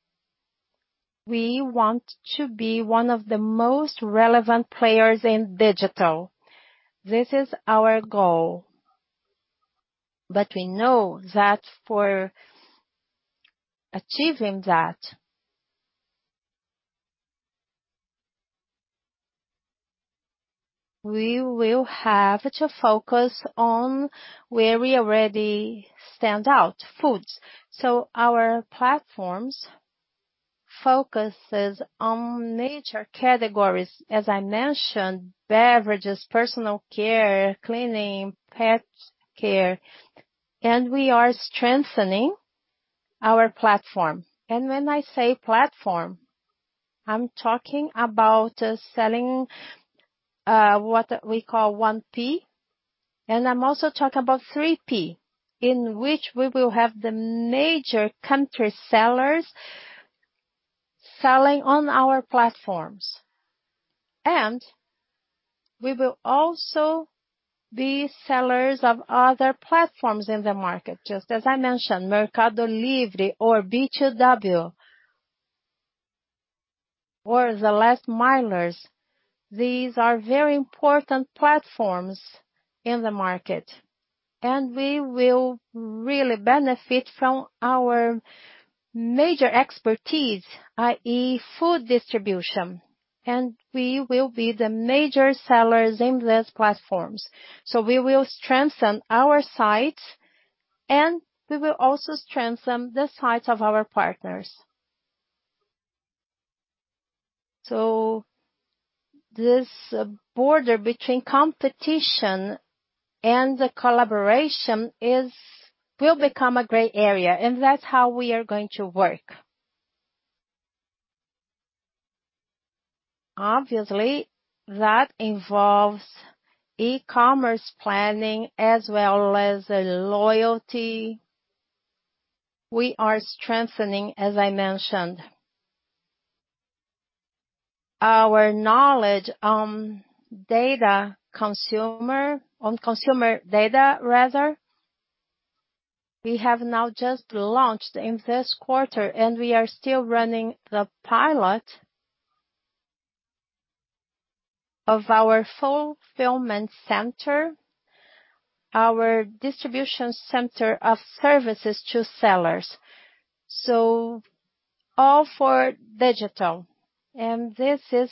we want to be one of the most relevant players in digital. This is our goal. We know that for achieving that we will have to focus on where we already stand out, foods. Our platforms focuses on major categories. As I mentioned, beverages, personal care, cleaning, pet care, and we are strengthening our platform. When I say platform, I'm talking about selling what we call 1P. I'm also talking about 3P, in which we will have the major country sellers selling on our platforms. We will also be sellers of other platforms in the market, just as I mentioned, Mercado Libre or B2W or the Last-Milers. These are very important platforms in the market, and we will really benefit from our major expertise, i.e., food distribution. We will be the major sellers in these platforms. We will strengthen our sites and we will also strengthen the sites of our partners. This border between competition and collaboration will become a gray area, and that's how we are going to work. Obviously, that involves e-commerce planning as well as loyalty. We are strengthening, as I mentioned, our knowledge on consumer data. We have now just launched in this quarter, and we are still running the pilot of our fulfillment center, our distribution center of services to sellers. All for digital. This is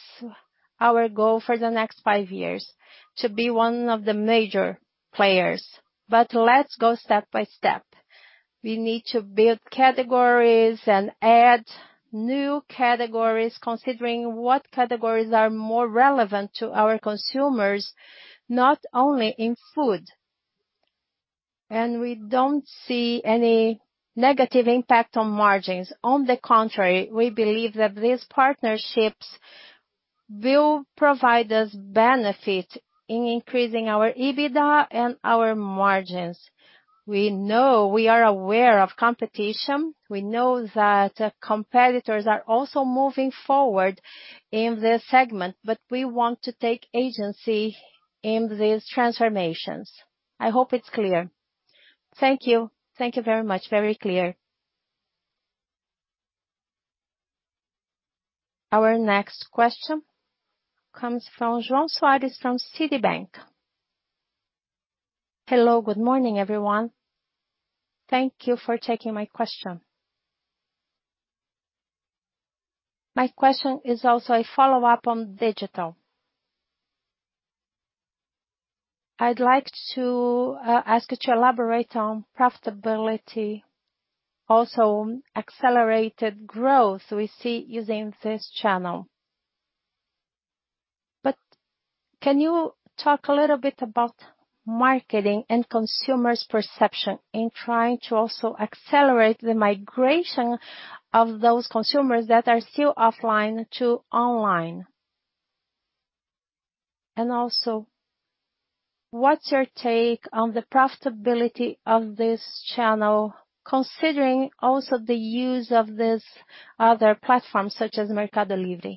our goal for the next five years, to be one of the major players. Let's go step by step. We need to build categories and add new categories, considering what categories are more relevant to our consumers, not only in food. We don't see any negative impact on margins. On the contrary, we believe that these partnerships will provide us benefit in increasing our EBITDA and our margins. We know, we are aware of competition. We know that competitors are also moving forward in this segment, but we want to take agency in these transformations. I hope it's clear. Thank you. Thank you very much. Very clear. Our next question comes from João Soares from Citibank. Hello. Good morning, everyone. Thank you for taking my question. My question is also a follow-up on digital. I'd like to ask you to elaborate on profitability, also accelerated growth we see using this channel. Can you talk a little bit about marketing and consumers' perception in trying to also accelerate the migration of those consumers that are still offline to online? Also, what's your take on the profitability of this channel, considering also the use of these other platforms, such as Mercado Libre?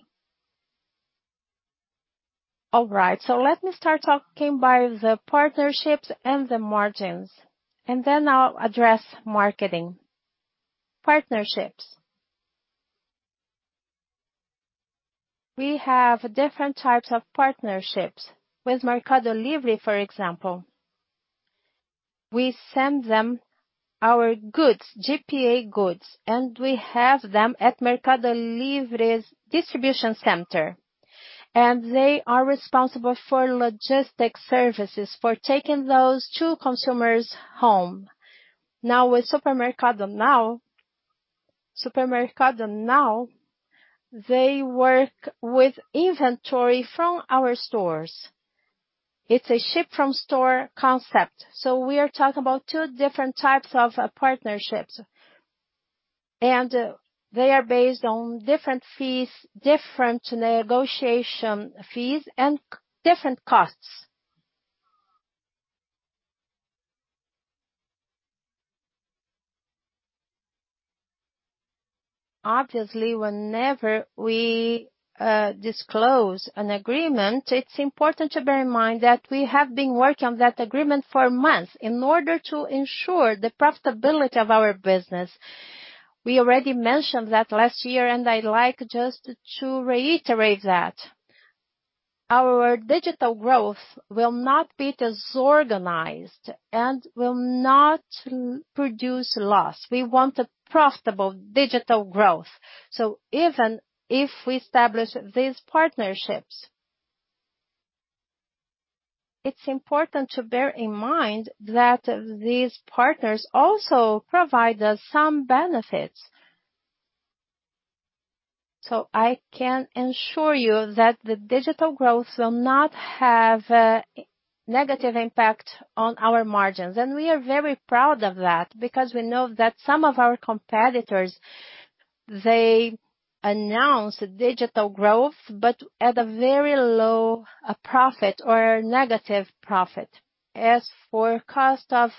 All right. Let me start talking by the partnerships and the margins, and then I'll address marketing. Partnerships. We have different types of partnerships. With Mercado Libre, for example, we send them our GPA goods, and we have them at Mercado Libre's distribution center. They are responsible for logistics services, for taking those to consumers' home. Now with Supermercado Now, they work with inventory from our stores. It's a ship-from-store concept. We are talking about two different types of partnerships, and they are based on different negotiation fees and different costs. Obviously, whenever we disclose an agreement, it's important to bear in mind that we have been working on that agreement for months in order to ensure the profitability of our business. We already mentioned that last year, and I'd like just to reiterate that. Our digital growth will not be disorganized and will not produce loss. We want a profitable digital growth. Even if we establish these partnerships, it's important to bear in mind that these partners also provide us some benefits. I can assure you that the digital growth will not have a negative impact on our margins. We are very proud of that because we know that some of our competitors announce digital growth, but at a very low profit or negative profit. As for cost of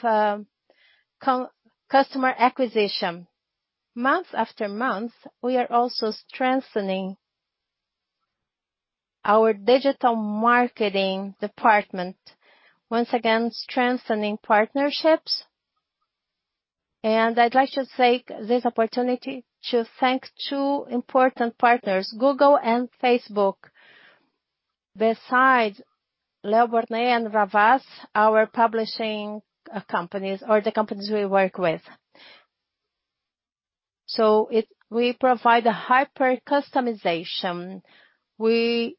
customer acquisition, month after month, we are also strengthening our digital marketing department. Once again, strengthening partnerships. I'd like to take this opportunity to thank two important partners, Google and Facebook, besides Leo Burnett and Havas, our publishing companies or the companies we work with. We provide a hyper-customization. We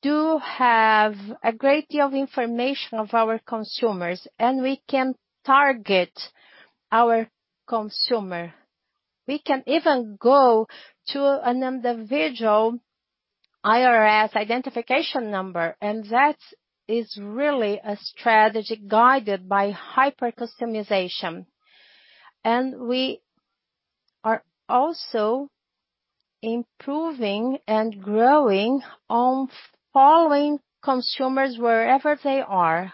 do have a great deal of information of our consumers, and we can target our consumer. We can even go to an individual IRS identification number, and that is really a strategy guided by hyper-customization. We are also improving and growing on following consumers wherever they are.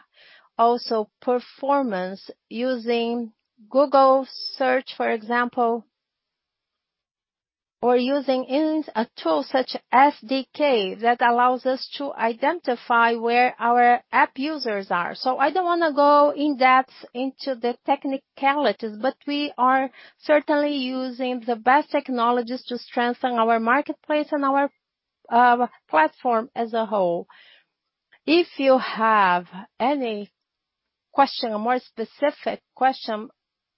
Also performance using Google Search, for example, or using a tool such as SDK, that allows us to identify where our app users are. I don't want to go in depth into the technicalities, but we are certainly using the best technologies to strengthen our marketplace and our platform as a whole. If you have any question, a more specific question,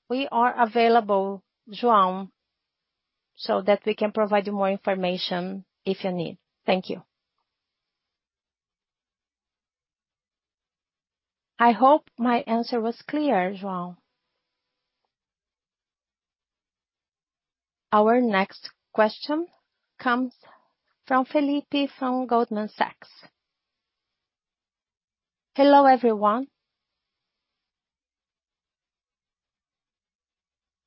we are available, João, so that we can provide you more information if you need. Thank you. I hope my answer was clear, João. Our next question comes from Felipe from Goldman Sachs. Hello, everyone.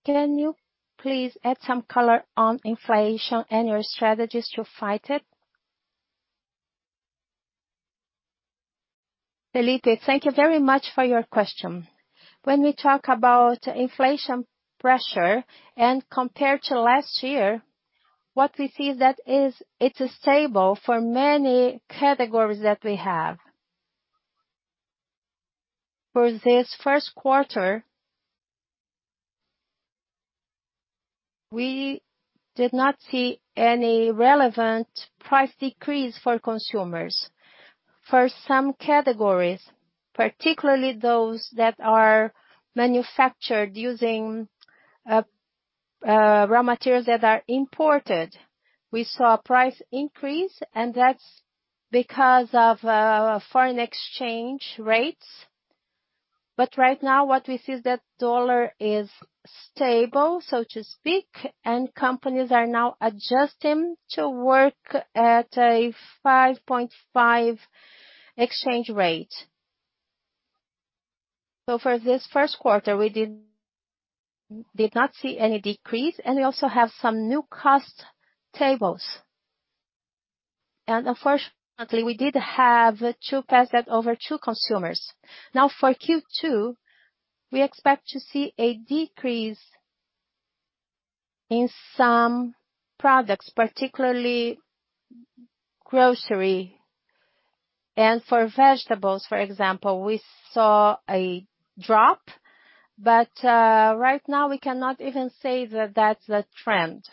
Can you please add some color on inflation and your strategies to fight it? Felipe, thank you very much for your question. When we talk about inflation pressure and compared to last year, what we see that is, it's stable for many categories that we have. For this first quarter, we did not see any relevant price decrease for consumers. For some categories, particularly those that are manufactured using raw materials that are imported, we saw a price increase, and that's because of foreign exchange rates. Right now, what we see is that dollar is stable, so to speak, and companies are now adjusting to work at a 5.5 exchange rate. For this first quarter, we did not see any decrease, and we also have some new cost tables. Unfortunately, we did have to pass that over to consumers. For Q2, we expect to see a decrease in some products, particularly grocery. For vegetables, for example, we saw a drop. Right now we cannot even say that that's a trend.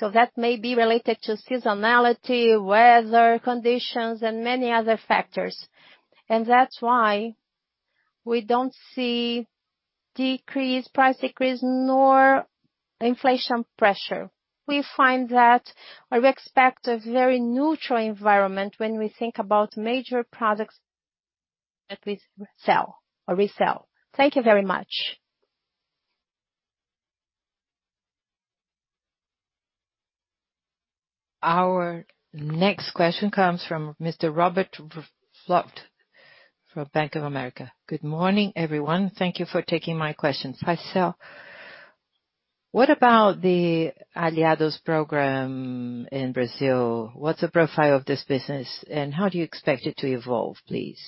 That may be related to seasonality, weather conditions, and many other factors. That's why we don't see price decrease nor inflation pressure. We find that, or we expect a very neutral environment when we think about major products that we sell or resell. Thank you very much. Our next question comes from Mr. Robert Ford from Bank of America. Good morning, everyone. Thank you for taking my questions. Hi, so. What about the Aliados program in Brazil? What's the profile of this business, and how do you expect it to evolve, please?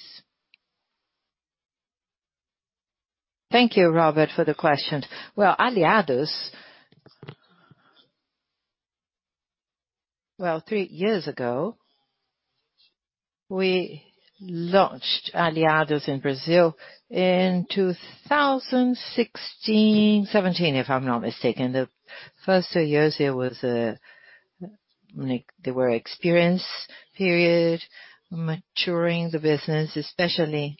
Thank you, Robert, for the question. Three years ago, we launched Aliados in Brazil in 2016 or 2017, if I'm not mistaken. The first two years, they were experience period, maturing the business, especially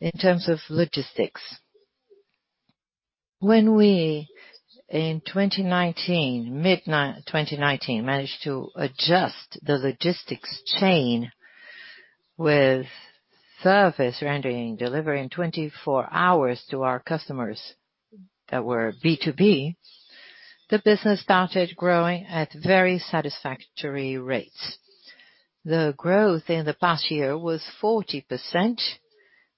in terms of logistics. When we, in mid-2019, managed to adjust the logistics chain with service rendering delivery in 24 hours to our customers that were B2B, the business started growing at very satisfactory rates. The growth in the past year was 40%.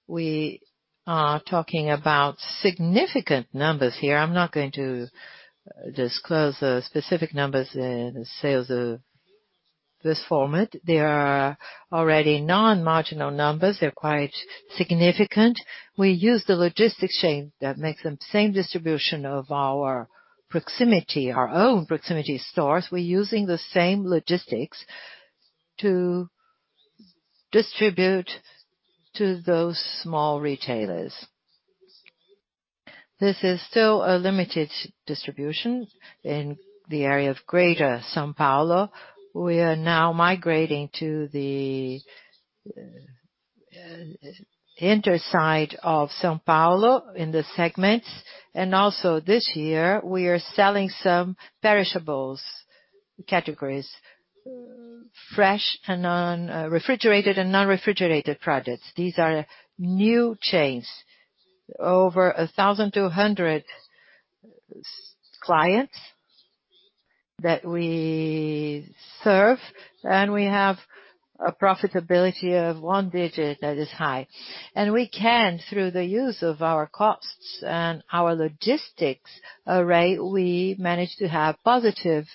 We are talking about significant numbers here. I'm not going to disclose the specific numbers in the sales of this format. They are already non-marginal numbers. They're quite significant. We use the logistics chain that makes the same distribution of our proximity, our own proximity stores. We're using the same logistics to distribute to those small retailers. This is still a limited distribution in the area of Greater São Paulo. We are now migrating to the interior side of São Paulo in the segments. Also this year, we are selling some perishables categories, fresh and non-refrigerated products. These are new chains. Over 1,200 clients that we serve. We have a profitability of one digit that is high. We can, through the use of our costs and our logistics array, we manage to have positive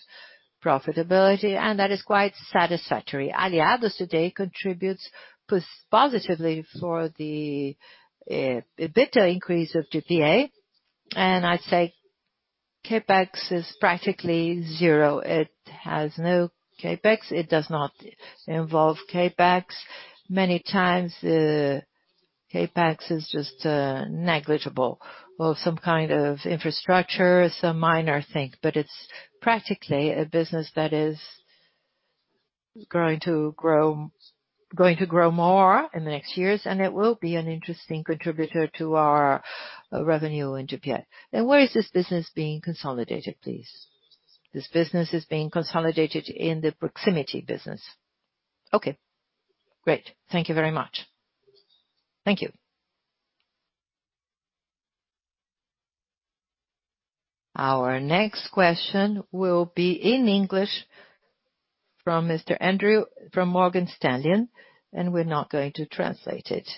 profitability, and that is quite satisfactory. Aliados today contributes positively for the EBITDA increase of GPA. I'd say CapEx is practically zero. It has no CapEx. It does not involve CapEx. Many times, the CapEx is just negligible or some kind of infrastructure, some minor thing. It's practically a business that is going to grow more in the next years. It will be an interesting contributor to our revenue in GPA. Where is this business being consolidated, please? This business is being consolidated in the proximity business. Okay, great. Thank you very much. Thank you. Our next question will be in English from Mr. Andrew from Morgan Stanley. We're not going to translate it.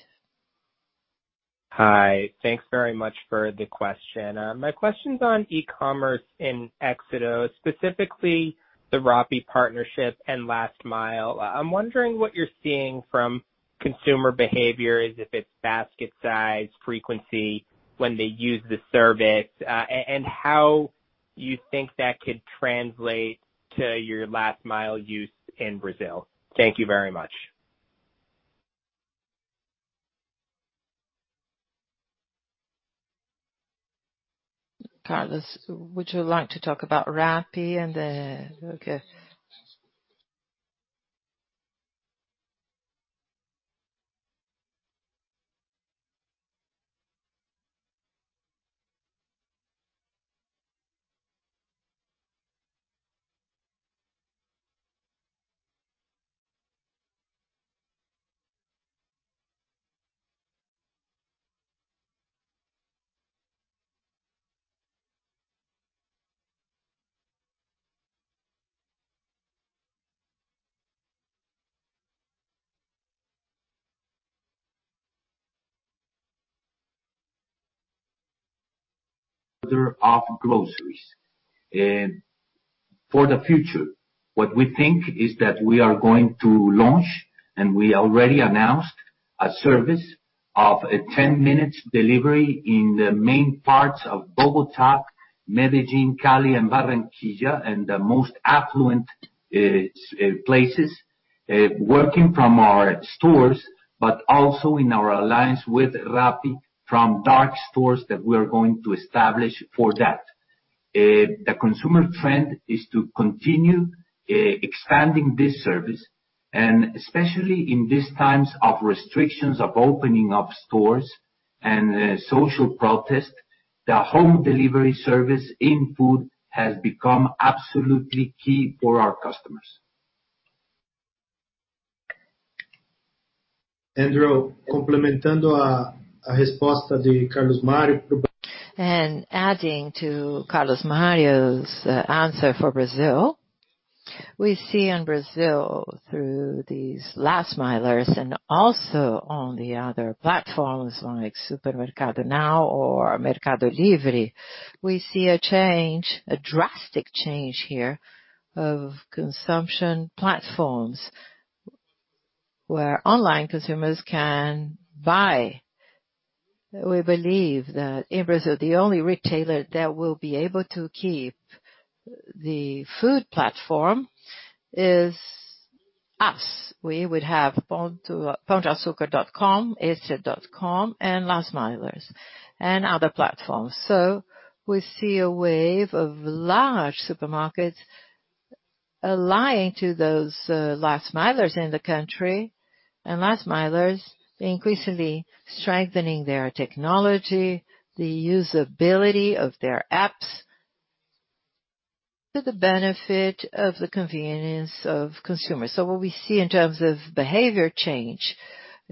Hi. Thanks very much for the question. My question's on e-commerce in Éxito, specifically the Rappi partnership and last-mile. I'm wondering what you're seeing from consumer behavior as if it's basket size, frequency, when they use the service, and how you think that could translate to your last-mile use in Brazil. Thank you very much. Carlos, would you like to talk about Rappi and the? Okay. They're off groceries. For the future, what we think is that we are going to launch, and we already announced a service of a 10 minutes delivery in the main parts of Bogotá, Medellín, Cali, and Barranquilla, and the most affluent places, working from our stores, but also in our alliance with Rappi from dark stores that we're going to establish for that. The consumer trend is to continue expanding this service, and especially in these times of restrictions of opening up stores and social protests, the home delivery service in food has become absolutely key for our customers. Andrew, Adding to Carlos Mario's answer for Brazil, we see in Brazil through these last-milers and also on the other platforms like Supermercado Now or Mercado Libre, we see a drastic change here of consumption platforms where online consumers can buy. We believe that in Brazil, the only retailer that will be able to keep the food platform is us. We would have paodeacucar.com, extra.com.br, and last-milers, and other platforms. We see a wave of large supermarkets allying to those last-milers in the country, and last-milers increasingly strengthening their technology, the usability of their apps to the benefit of the convenience of consumers. What we see in terms of behavior change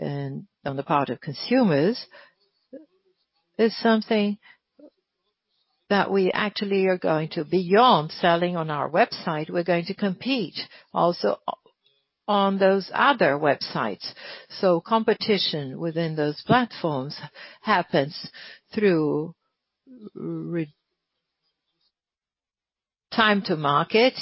on the part of consumers is something that we actually are going to, beyond selling on our website, we're going to compete also on those other websites. Competition within those platforms happens through time to market.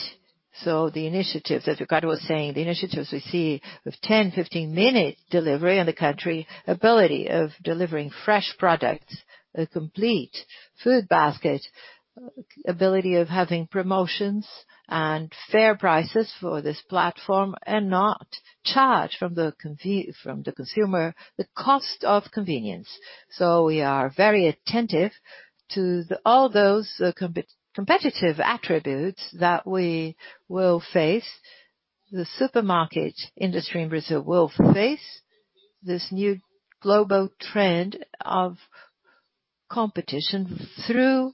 The initiatives, as Ricardo was saying, the initiatives we see with 10, 15-minute delivery in the country, ability of delivering fresh products, a complete food basket, ability of having promotions and fair prices for this platform and not charge from the consumer the cost of convenience. We are very attentive to all those competitive attributes that the supermarket industry in Brazil will face this new global trend of competition through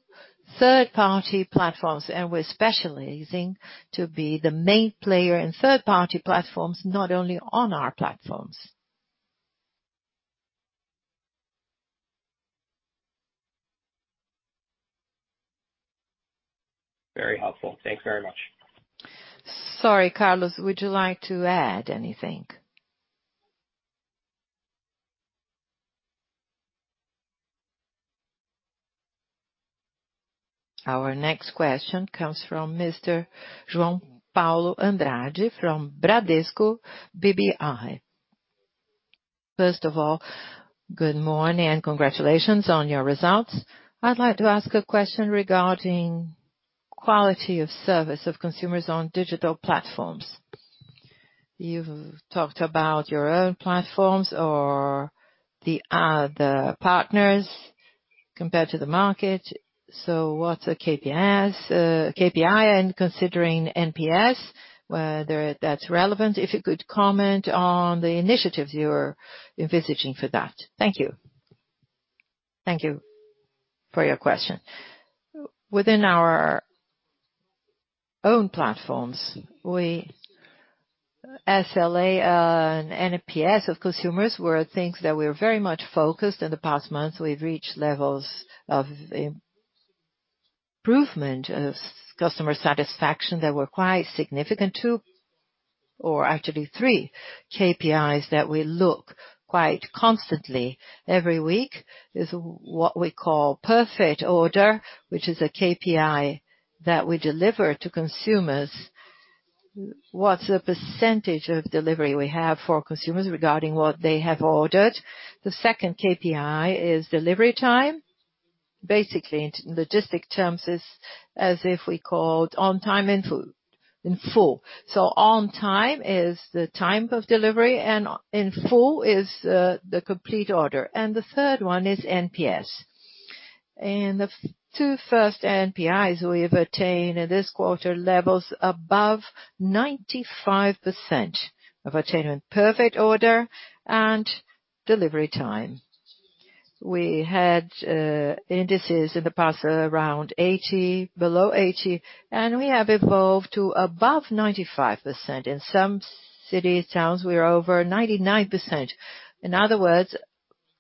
third-party platforms, and we're specializing to be the main player in third-party platforms, not only on our platforms. Very helpful. Thanks very much. Sorry, Carlos, would you like to add anything? Our next question comes from Mr. João Paulo Andrade from Bradesco BBI. First of all, good morning and congratulations on your results. I'd like to ask a question regarding quality of service of consumers on digital platforms. You've talked about your own platforms or the partners compared to the market. What's the KPI? Considering NPS, whether that's relevant, if you could comment on the initiatives you are envisaging for that. Thank you. Thank you for your question. Within our own platforms, SLA and NPS of consumers were things that we were very much focused in the past month. We've reached levels of improvement of customer satisfaction that were quite significant. Two or actually three KPIs that we look quite constantly every week is what we call perfect order, which is a KPI that we deliver to consumers. What's the percentage of delivery we have for consumers regarding what they have ordered? The second KPI is delivery time. Basically, in logistic terms is as if we called on time and full. On time is the time of delivery, and in full is the complete order. The third one is NPS. The two first KPIs we have attained in this quarter, levels above 95% of attainment, perfect order, and delivery time. We had indices in the past around 80, below 80, and we have evolved to above 95%. In some city, towns, we are over 99%. In other words,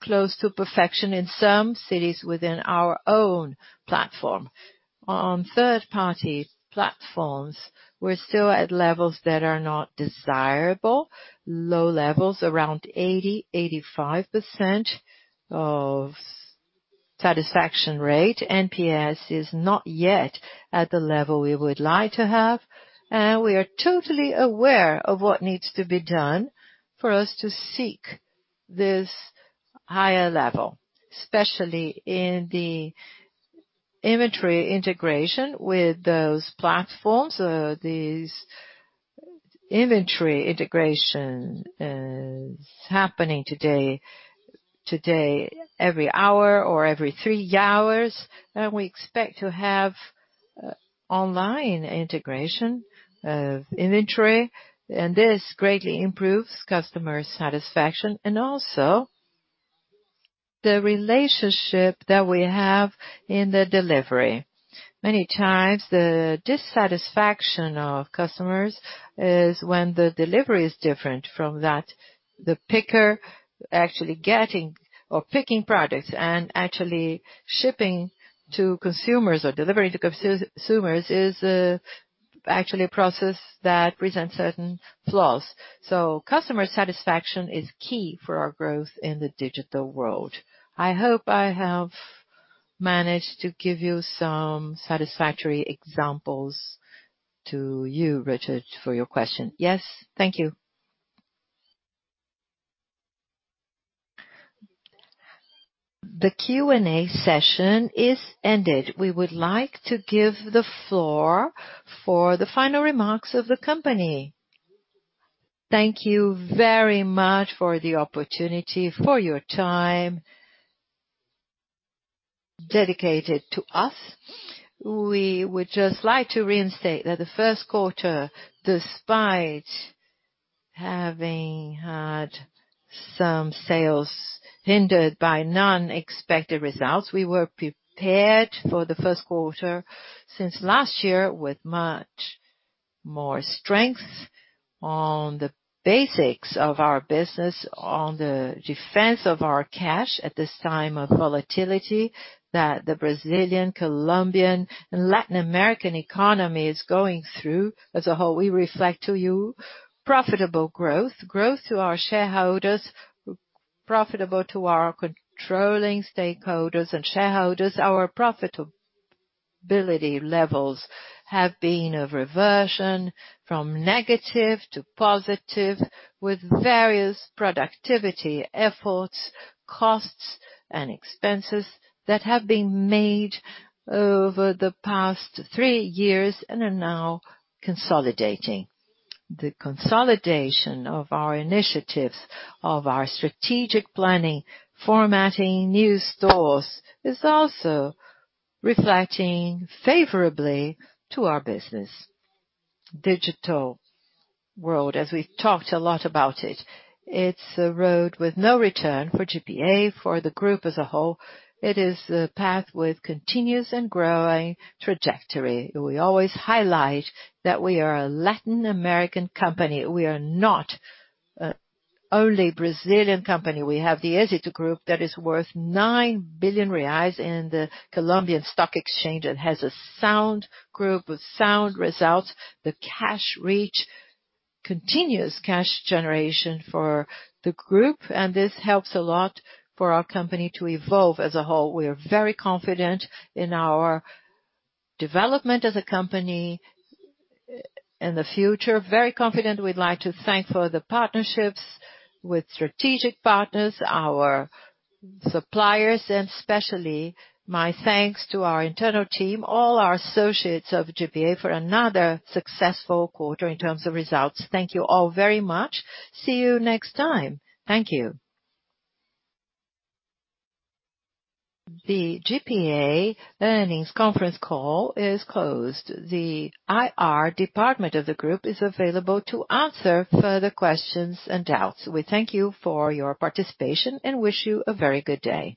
close to perfection in some cities within our own platform. On third-party platforms, we're still at levels that are not desirable. Low levels, around 80, 85% of satisfaction rate. NPS is not yet at the level we would like to have. We are totally aware of what needs to be done for us to seek this higher level, especially in the inventory integration with those platforms. These inventory integration is happening today, every hour or every three hours. We expect to have online integration of inventory, and this greatly improves customer satisfaction. Also the relationship that we have in the delivery. Many times the dissatisfaction of customers is when the delivery is different from that. The picker actually getting or picking products and actually shipping to consumers or delivering to consumers is actually a process that presents certain flaws. Customer satisfaction is key for our growth in the digital world. I hope I have managed to give you some satisfactory examples to you, Richard, for your question. Yes. Thank you. The Q&A session is ended. We would like to give the floor for the final remarks of the company. Thank you very much for the opportunity, for your time dedicated to us. We would just like to reinstate that the first quarter, despite having had some sales hindered by non-expected results, we were prepared for the first quarter since last year with much more strength on the basics of our business, on the defense of our cash at this time of volatility that the Brazilian, Colombian, and Latin American economy is going through as a whole. We reflect to you profitable growth to our shareholders, profitable to our controlling stakeholders and shareholders. Our profitability levels have been a reversion from negative to positive with various productivity efforts, costs, and expenses that have been made over the past three years and are now consolidating. The consolidation of our initiatives, of our strategic planning, formatting new stores, is also reflecting favorably to our business. Digital world, as we've talked a lot about it's a road with no return for GPA, for the group as a whole. It is a path with continuous and growing trajectory. We always highlight that we are a Latin American company. We are not only Brazilian company. We have the Grupo Éxito that is worth 9 billion reais in the Colombian stock exchange and has a sound group with sound results. The cash reach continuous cash generation for the group. This helps a lot for our company to evolve as a whole. We are very confident in our development as a company in the future. Very confident. We'd like to thank for the partnerships with strategic partners, our suppliers, and especially my thanks to our internal team, all our associates of GPA, for another successful quarter in terms of results. Thank you all very much. See you next time. Thank you. The GPA earnings conference call is closed. The IR department of the group is available to answer further questions and doubts. We thank you for your participation and wish you a very good day.